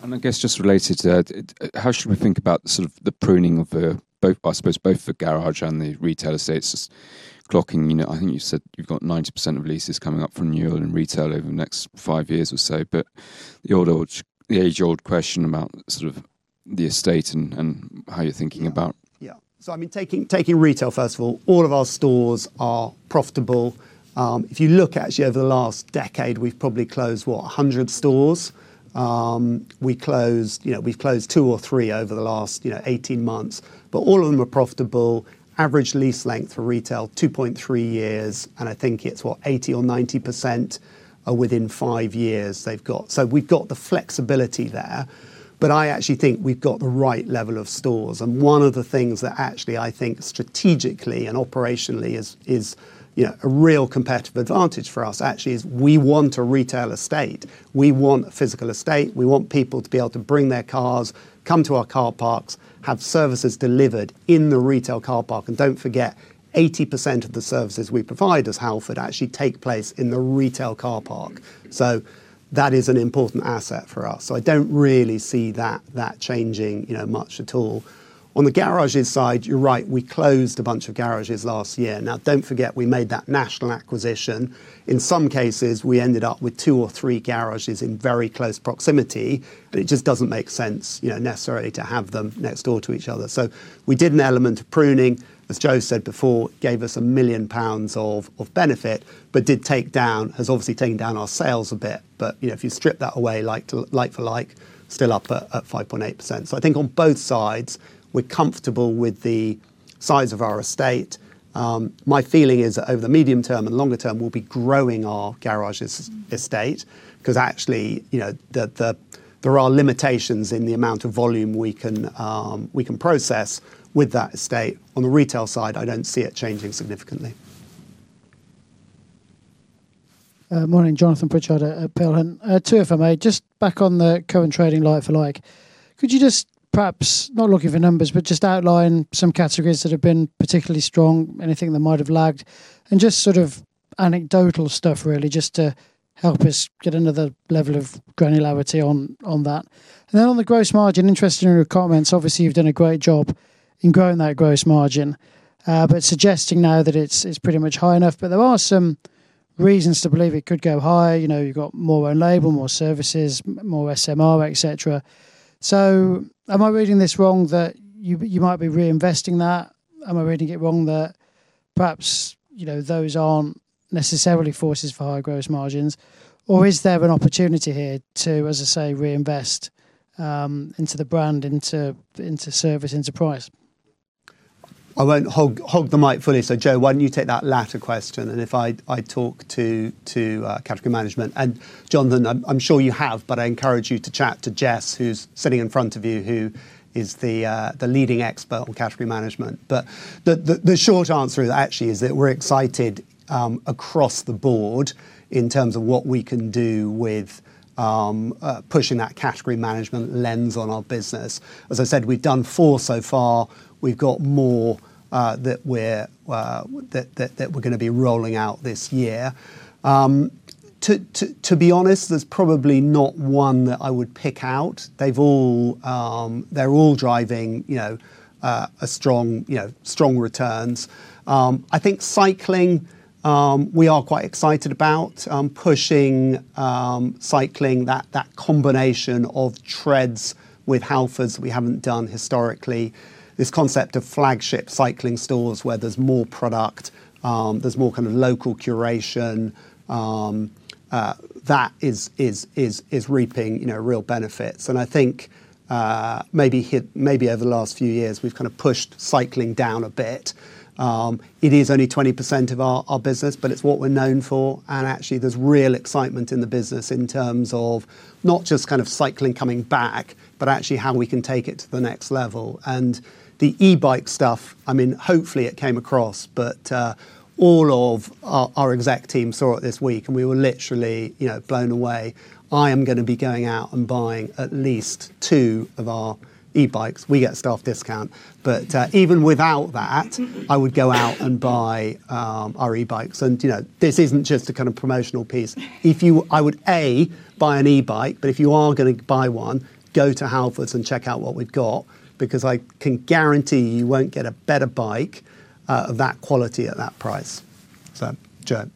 I guess just related to that, how should we think about the sort of the pruning of both the garage and the retail estates? Just clocking, I think you said you've got 90% of leases coming up from new and retail over the next five years or so. The age-old question about sort of the estate and how you're thinking about it. I mean, taking retail, first of all of our stores are profitable. If you look actually over the last decade, we've probably closed, what, 100 stores? We've closed two or three over the last 18 months, but all of them are profitable. Average lease length for retail, two point three years, and I think it's, what, 80% or 90% are within five years they've got. We've got the flexibility there, but I actually think we've got the right level of stores. One of the things that actually I think strategically and operationally is a real competitive advantage for us actually is we want a retail estate. We want a physical estate. We want people to be able to bring their cars, come to our car parks, have services delivered in the retail car park. Don't forget, 80% of the services we provide as Halfords actually take place in the retail car park. That is an important asset for us. I don't really see that changing much at all. On the garages side, you're right, we closed a bunch of garages last year. Now, don't forget, we made that national acquisition. In some cases, we ended up with two or three garages in very close proximity, but it just doesn't make sense necessarily to have them next door to each other. We did an element of pruning, as Jo said before, gave us 1 million pounds of benefit, but has obviously taken down our sales a bit. If you strip that away like-for-like, still up at 5.8%. I think on both sides, we're comfortable with the size of our estate. My feeling is that over the medium term and longer term, we'll be growing our garages estate because actually there are limitations in the amount of volume we can process with that estate. On the retail side, I don't see it changing significantly. Good morning, Jonathan Pritchard at Peel Hunt. Two if I may. Just back on the current trading like-for-like, could you just perhaps, not looking for numbers, but just outline some categories that have been particularly strong, anything that might have lagged, and just sort of anecdotal stuff really just to help us get another level of granularity on that. On the gross margin, interested in your comments. Obviously, you've done a great job in growing that gross margin, but suggesting now that it's pretty much high enough. There are some reasons to believe it could go higher. You've got more own label, more services, more SMR, et cetera. So, am I reading this wrong that you might be reinvesting that? Am I reading it wrong that perhaps those aren't necessarily forces for higher gross margins? Or is there an opportunity here to, as I say, reinvest into the brand, into service, into price? I won't hog the mic fully. So, Jo, why don't you take that latter question, if I talk to category management. Jonathan, I'm sure you have, but I encourage you to chat to Jess, who's sitting in front of you, who is the leading expert on category management. The short answer actually is that we're excited across the board in terms of what we can do with pushing that category management lens on our business. As I said, we've done four so far. We've got more that we're going to be rolling out this year. To be honest, there's probably not one that I would pick out. They're all driving strong returns. I think cycling we are quite excited about pushing cycling, that combination of Tredz with Halfords we haven't done historically. This concept of flagship cycling stores where there's more product, there's more kind of local curation, that is reaping real benefits. I think maybe over the last few years, we've kind of pushed cycling down a bit. It is only 20% of our business, but it's what we're known for. Actually, there's real excitement in the business in terms of not just kind of cycling coming back, but actually how we can take it to the next level. The e-bike stuff, hopefully it came across, but all of our exec team saw it this week, and we were literally blown away. I am going to be going out and buying at least two of our e-bikes. We get a staff discount. Even without that, I would go out and buy our e-bikes. This isn't just a kind of promotional piece. I would, A, buy an e-bike, but if you are going to buy one, go to Halfords and check out what we've got because I can guarantee you won't get a better bike of that quality at that price. So, Jo.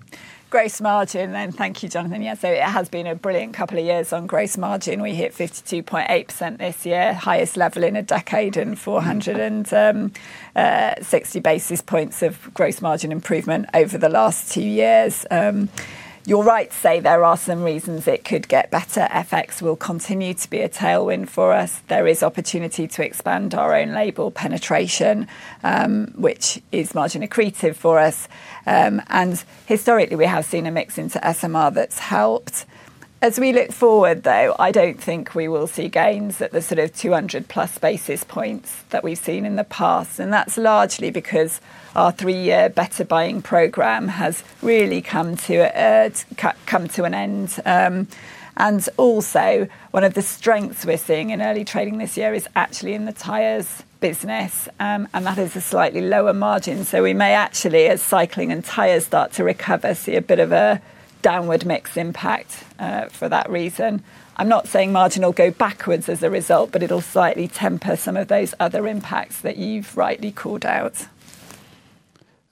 Gross margin. Thank you, Jonathan. Yeah, it has been a brilliant couple of years on gross margin. We hit 52.8% this year, highest level in a decade, 460 basis points of gross margin improvement over the last two years. You're right to say there are some reasons it could get better. FX will continue to be a tailwind for us. There is opportunity to expand our own label penetration, which is margin accretive for us. Historically, we have seen a mix into SMR that's helped. As we look forward, though, I don't think we will see gains at the sort of 200+ basis points that we've seen in the past, that's largely because our three-year Better Buying program has really come to an end. Also, one of the strengths we're seeing in early trading this year is actually in the tires business, that is a slightly lower margin. We may actually, as cycling and tires start to recover, see a bit of a downward mix impact for that reason. I'm not saying margin will go backwards as a result, but it'll slightly temper some of those other impacts that you've rightly called out.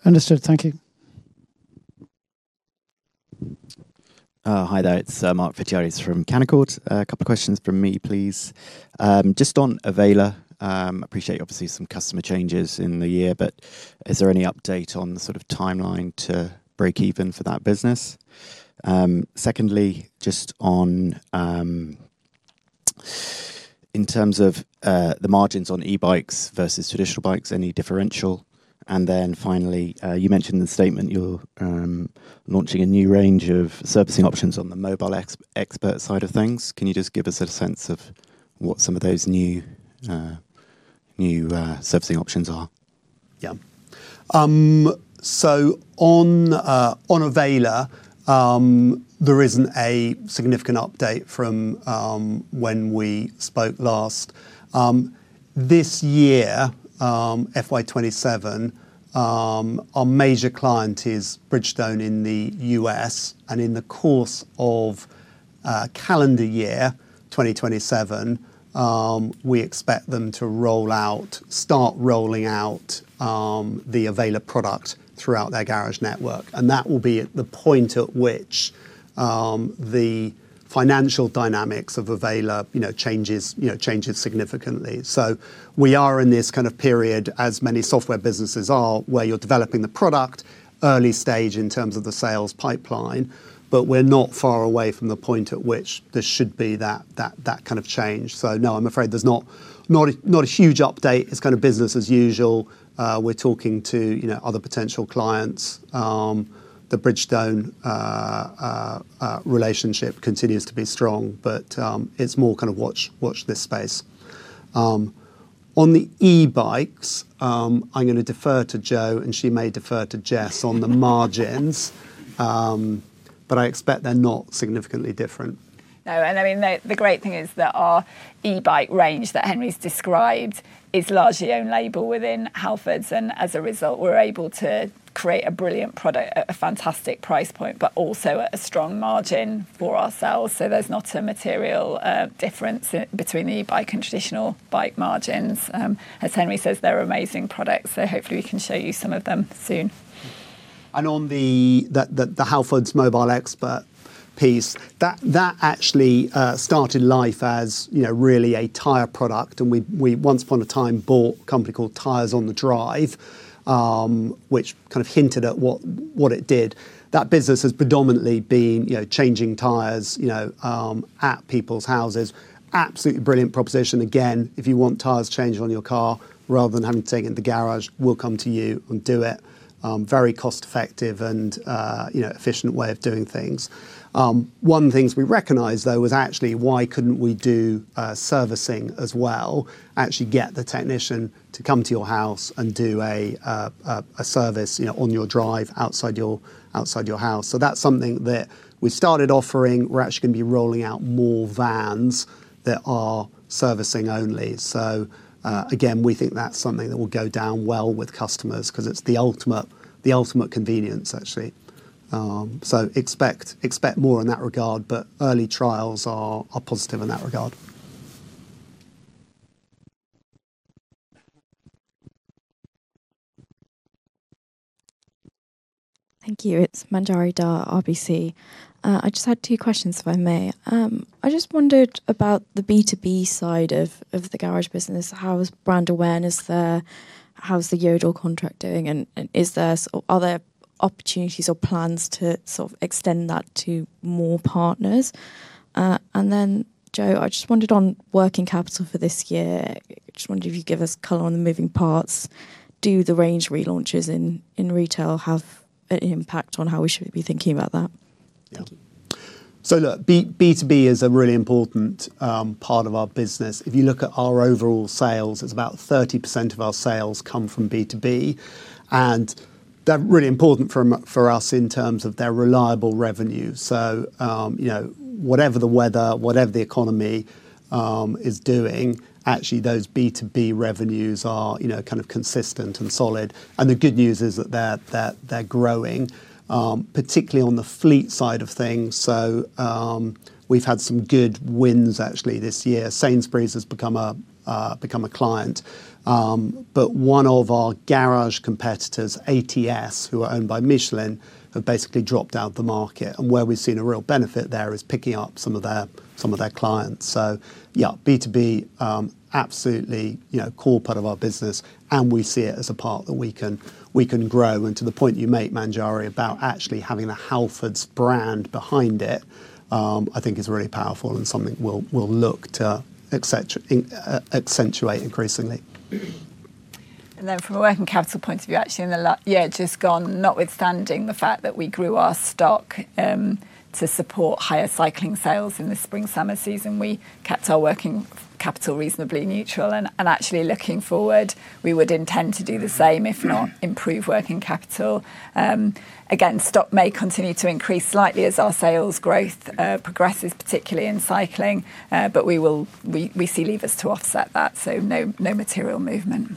Understood. Thank you. Hi there, it's Mark Photiades from Canaccord. A couple of questions from me, please. Just on Avayler, appreciate obviously some customer changes in the year, but is there any update on the sort of timeline to break even for that business? Secondly, in terms of the margins on e-bikes versus traditional bikes, any differential? Finally, you mentioned in the statement you're launching a new range of servicing options on the mobile expert side of things. Can you just give us a sense of what some of those new servicing options are? Yeah. On Avayler, there isn't a significant update from when we spoke last. This year, FY 2027, our major client is Bridgestone in the U.S., in the course of calendar year 2027, we expect them to start rolling out the Avayler product throughout their garage network. That will be at the point at which the financial dynamics of Avayler changes significantly. We are in this period, as many software businesses are, where you're developing the product early stage in terms of the sales pipeline, but we're not far away from the point at which there should be that kind of change. No, I'm afraid there's not a huge update. It's kind of business as usual. We're talking to other potential clients. The Bridgestone relationship continues to be strong, but it's more kind of watch this space. On the e-bikes, I'm going to defer to Jo. She may defer to Jess on the margins, but I expect they're not significantly different. No, the great thing is that our e-bike range that Henry's described is largely own label within Halfords, and as a result, we're able to create a brilliant product at a fantastic price point, but also at a strong margin for ourselves. There's not a material difference between the e-bike and traditional bike margins. As Henry says, they're amazing products, hopefully we can show you some of them soon. On the Halfords Mobile Expert piece, that actually started life as really a tire product, and we once upon a time bought a company called Tyres On The Drive, which kind of hinted at what it did. That business has predominantly been changing tires at people's houses. Absolutely brilliant proposition. Again, if you want tires changed on your car rather than having to take it to the garage, we'll come to you and do it. Very cost effective and efficient way of doing things. One of the things we recognized, though, was actually why couldn't we do servicing as well, actually get the technician to come to your house and do a service on your drive outside your house. That's something that we started offering. We're actually going to be rolling out more vans that are servicing only. Again, we think that's something that will go down well with customers because it's the ultimate convenience, actually. Expect more in that regard, but early trials are positive in that regard. Thank you. It's Manjari Dhar, RBC. I just had two questions, if I may. I just wondered about the B2B side of the garage business. How is brand awareness there? How's the Yodel contract doing? Are there opportunities or plans to sort of extend that to more partners? And then, Jo, I just wondered on working capital for this year. I just wondered if you could give us color on the moving parts. Do the range relaunches in retail have an impact on how we should be thinking about that? Yeah. Thank you. Look, B2B is a really important part of our business. If you look at our overall sales, it is about 30% of our sales come from B2B, and they are really important for us in terms of their reliable revenue. Whatever the weather, whatever the economy is doing, actually, those B2B revenues are kind of consistent and solid. The good news is that they are growing, particularly on the fleet side of things. We have had some good wins actually this year. Sainsbury's has become a client. One of our garage competitors, ATS, who are owned by Michelin, have basically dropped out of the market. Where we have seen a real benefit there is picking up some of their clients. Yeah, B2B, absolutely core part of our business and we see it as a part that we can grow. To the point you make, Manjari, about actually having the Halfords brand behind it, I think is really powerful and something we will look to accentuate increasingly. From a working capital point of view, actually, in the last year, just gone, notwithstanding the fact that we grew our stock to support higher cycling sales in the spring, summer season, we kept our working capital reasonably neutral and actually looking forward, we would intend to do the same, if not improve working capital. Again, stock may continue to increase slightly as our sales growth progresses, particularly in cycling. We see levers to offset that, so no material movement.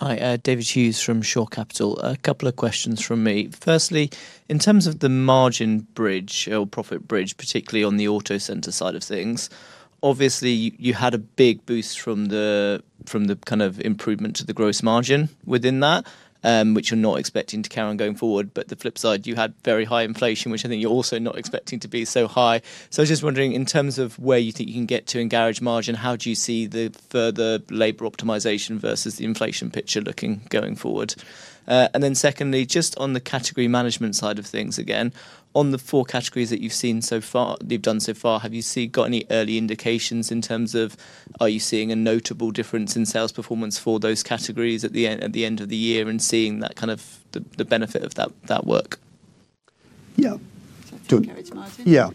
Hi, David Hughes from Shore Capital. A couple of questions from me. Firstly, in terms of the margin bridge or profit bridge, particularly on the Autocentres side of things, obviously you had a big boost from the kind of improvement to the gross margin within that, which you're not expecting to carry on going forward. The flip side, you had very high inflation, which I think you're also not expecting to be so high. I was just wondering, in terms of where you think you can get to in garage margin, how do you see the further labor optimization versus the inflation picture looking going forward? Secondly, just on the category management side of things, again, on the four categories that you've done so far, have you got any early indications in terms of are you seeing a notable difference in sales performance for those categories at the end of the year and seeing the benefit of that work? Yeah. Can I go to margin? Yeah.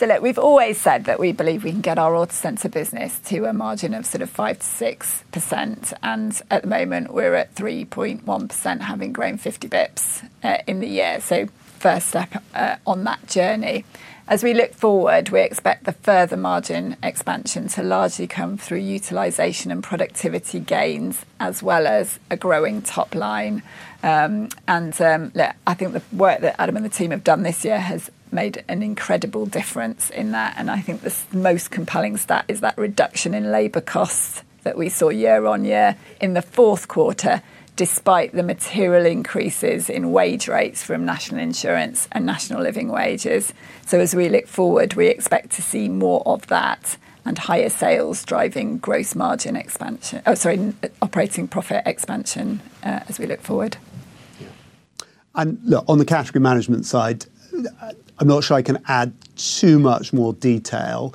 Look, we've always said that we believe we can get our Autocentres business to a margin of sort of 5%-6%, and at the moment we're at 3.1%, having grown 50 basis points in the year. First step on that journey. As we look forward, we expect the further margin expansion to largely come through utilization and productivity gains, as well as a growing top line. Look, I think the work that Adam and the team have done this year has made an incredible difference in that, and I think the most compelling stat is that reduction in labor costs that we saw year-on-year in the fourth quarter, despite the material increases in wage rates from national insurance and national living wages. As we look forward, we expect to see more of that and higher sales driving operating profit expansion as we look forward. Look, on the category management side, I'm not sure I can add too much more detail.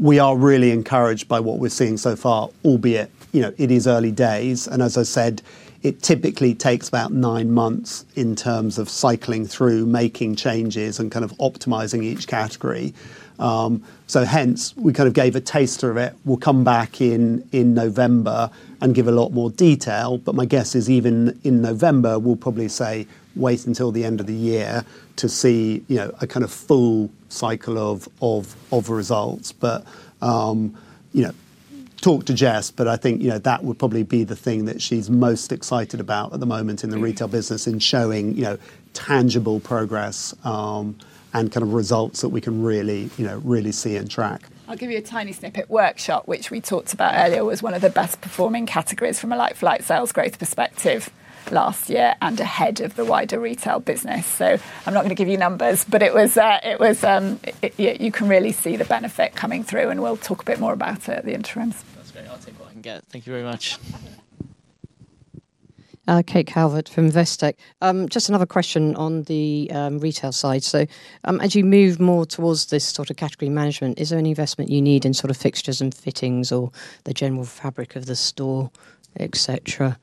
We are really encouraged by what we're seeing so far, albeit it is early days. As I said, it typically takes about nine months in terms of cycling through, making changes, and kind of optimizing each category. Hence, we kind of gave a taster of it. We'll come back in November and give a lot more detail. My guess is, even in November we'll probably say, "Wait until the end of the year to see a kind of full cycle of results." Talk to Jess, but I think that would probably be the thing that she's most excited about at the moment in the retail business, in showing tangible progress and kind of results that we can really see and track. I'll give you a tiny snippet. Workshop, which we talked about earlier, was one of the best performing categories from a like-for-like sales growth perspective last year and ahead of the wider retail business. I'm not going to give you numbers, but you can really see the benefit coming through, and we'll talk a bit more about it at the interim. That's great. I'll take what I can get. Thank you very much. Kate Calvert from Investec. Just another question on the retail side. As you move more towards this sort of category management, is there any investment you need in sort of fixtures and fittings or the general fabric of the store, et cetera,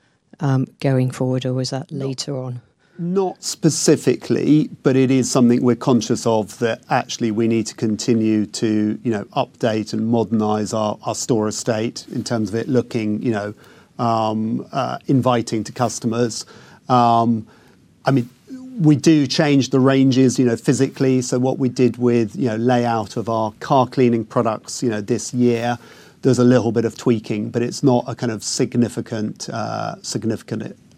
going forward? Or is that later on? Not specifically, but it is something we are conscious of, that actually we need to continue to update and modernize our store estate in terms of it looking inviting to customers. We do change the ranges physically. What we did with layout of our car cleaning products this year, there is a little bit of tweaking, but it is not a kind of significant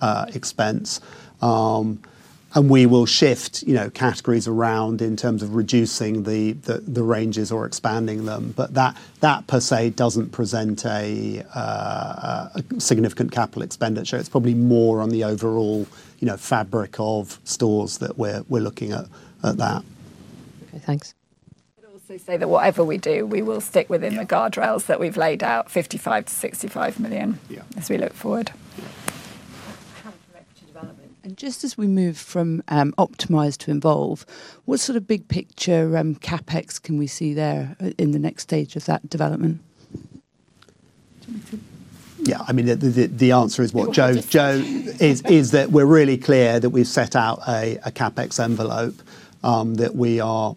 expense. We will shift categories around in terms of reducing the ranges or expanding them. That per se doesn't present a significant capital expenditure. It is probably more on the overall fabric of stores that we are looking at that. Okay, thanks. I would also say that whatever we do, we will stick within the guardrails that we have laid out, 55 million-65 million. Yeah. As we look forward. Tam from Equity Development. Just as we move from optimize to involve, what sort of big picture CapEx can we see there in the next stage of that development? Do you want me to? Yeah. The answer is what Jo is, that we're really clear that we've set out a CapEx envelope that we are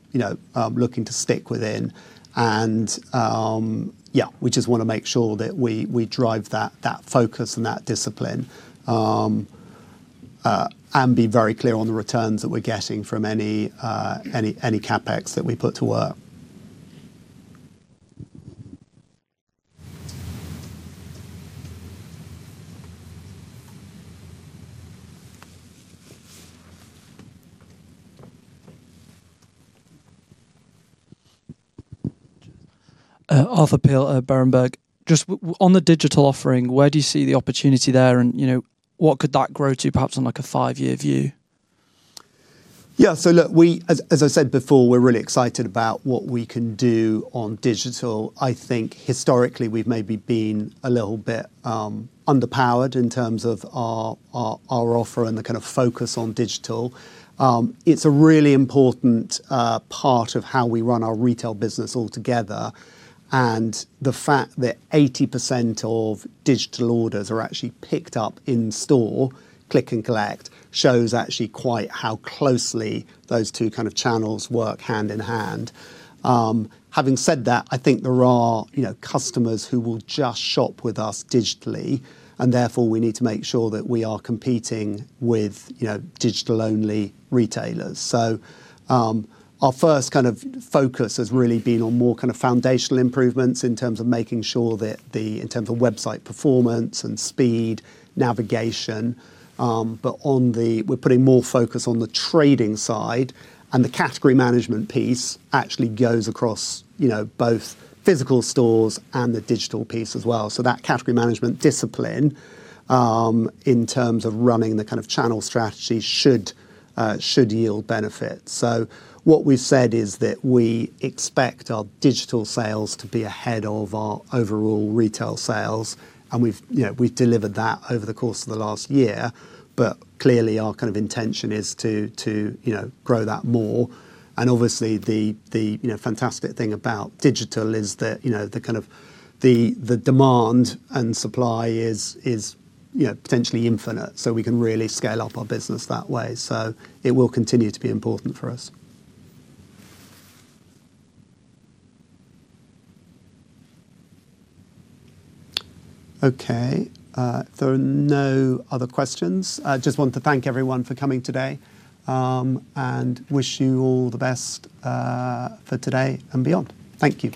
looking to stick within. Yeah, we just want to make sure that we drive that focus and that discipline and be very clear on the returns that we're getting from any CapEx that we put to work. Arthur Peel, Berenberg. Just on the digital offering, where do you see the opportunity there? What could that grow to, perhaps on like a five-year view? Yeah. Look, as I said before, we're really excited about what we can do on digital. I think historically, we've maybe been a little bit underpowered in terms of our offer and the kind of focus on digital. It's a really important part of how we run our retail business altogether, and the fact that 80% of digital orders are actually picked up in store, click and collect, shows actually quite how closely those two kind of channels work hand in hand. Having said that, I think there are customers who will just shop with us digitally and therefore we need to make sure that we are competing with digital-only retailers. Our first kind of focus has really been on more kind of foundational improvements in terms of making sure that the intent of website performance and speed, navigation. We're putting more focus on the trading side and the category management piece actually goes across both physical stores and the digital piece as well. That category management discipline in terms of running the kind of channel strategy should yield benefit. What we've said is that we expect our digital sales to be ahead of our overall retail sales, and we've delivered that over the course of the last year. Clearly our kind of intention is to grow that more. Obviously the fantastic thing about digital is the demand and supply is potentially infinite, so we can really scale up our business that way. It will continue to be important for us. Okay. If there are no other questions, I just want to thank everyone for coming today and wish you all the best for today and beyond. Thank you.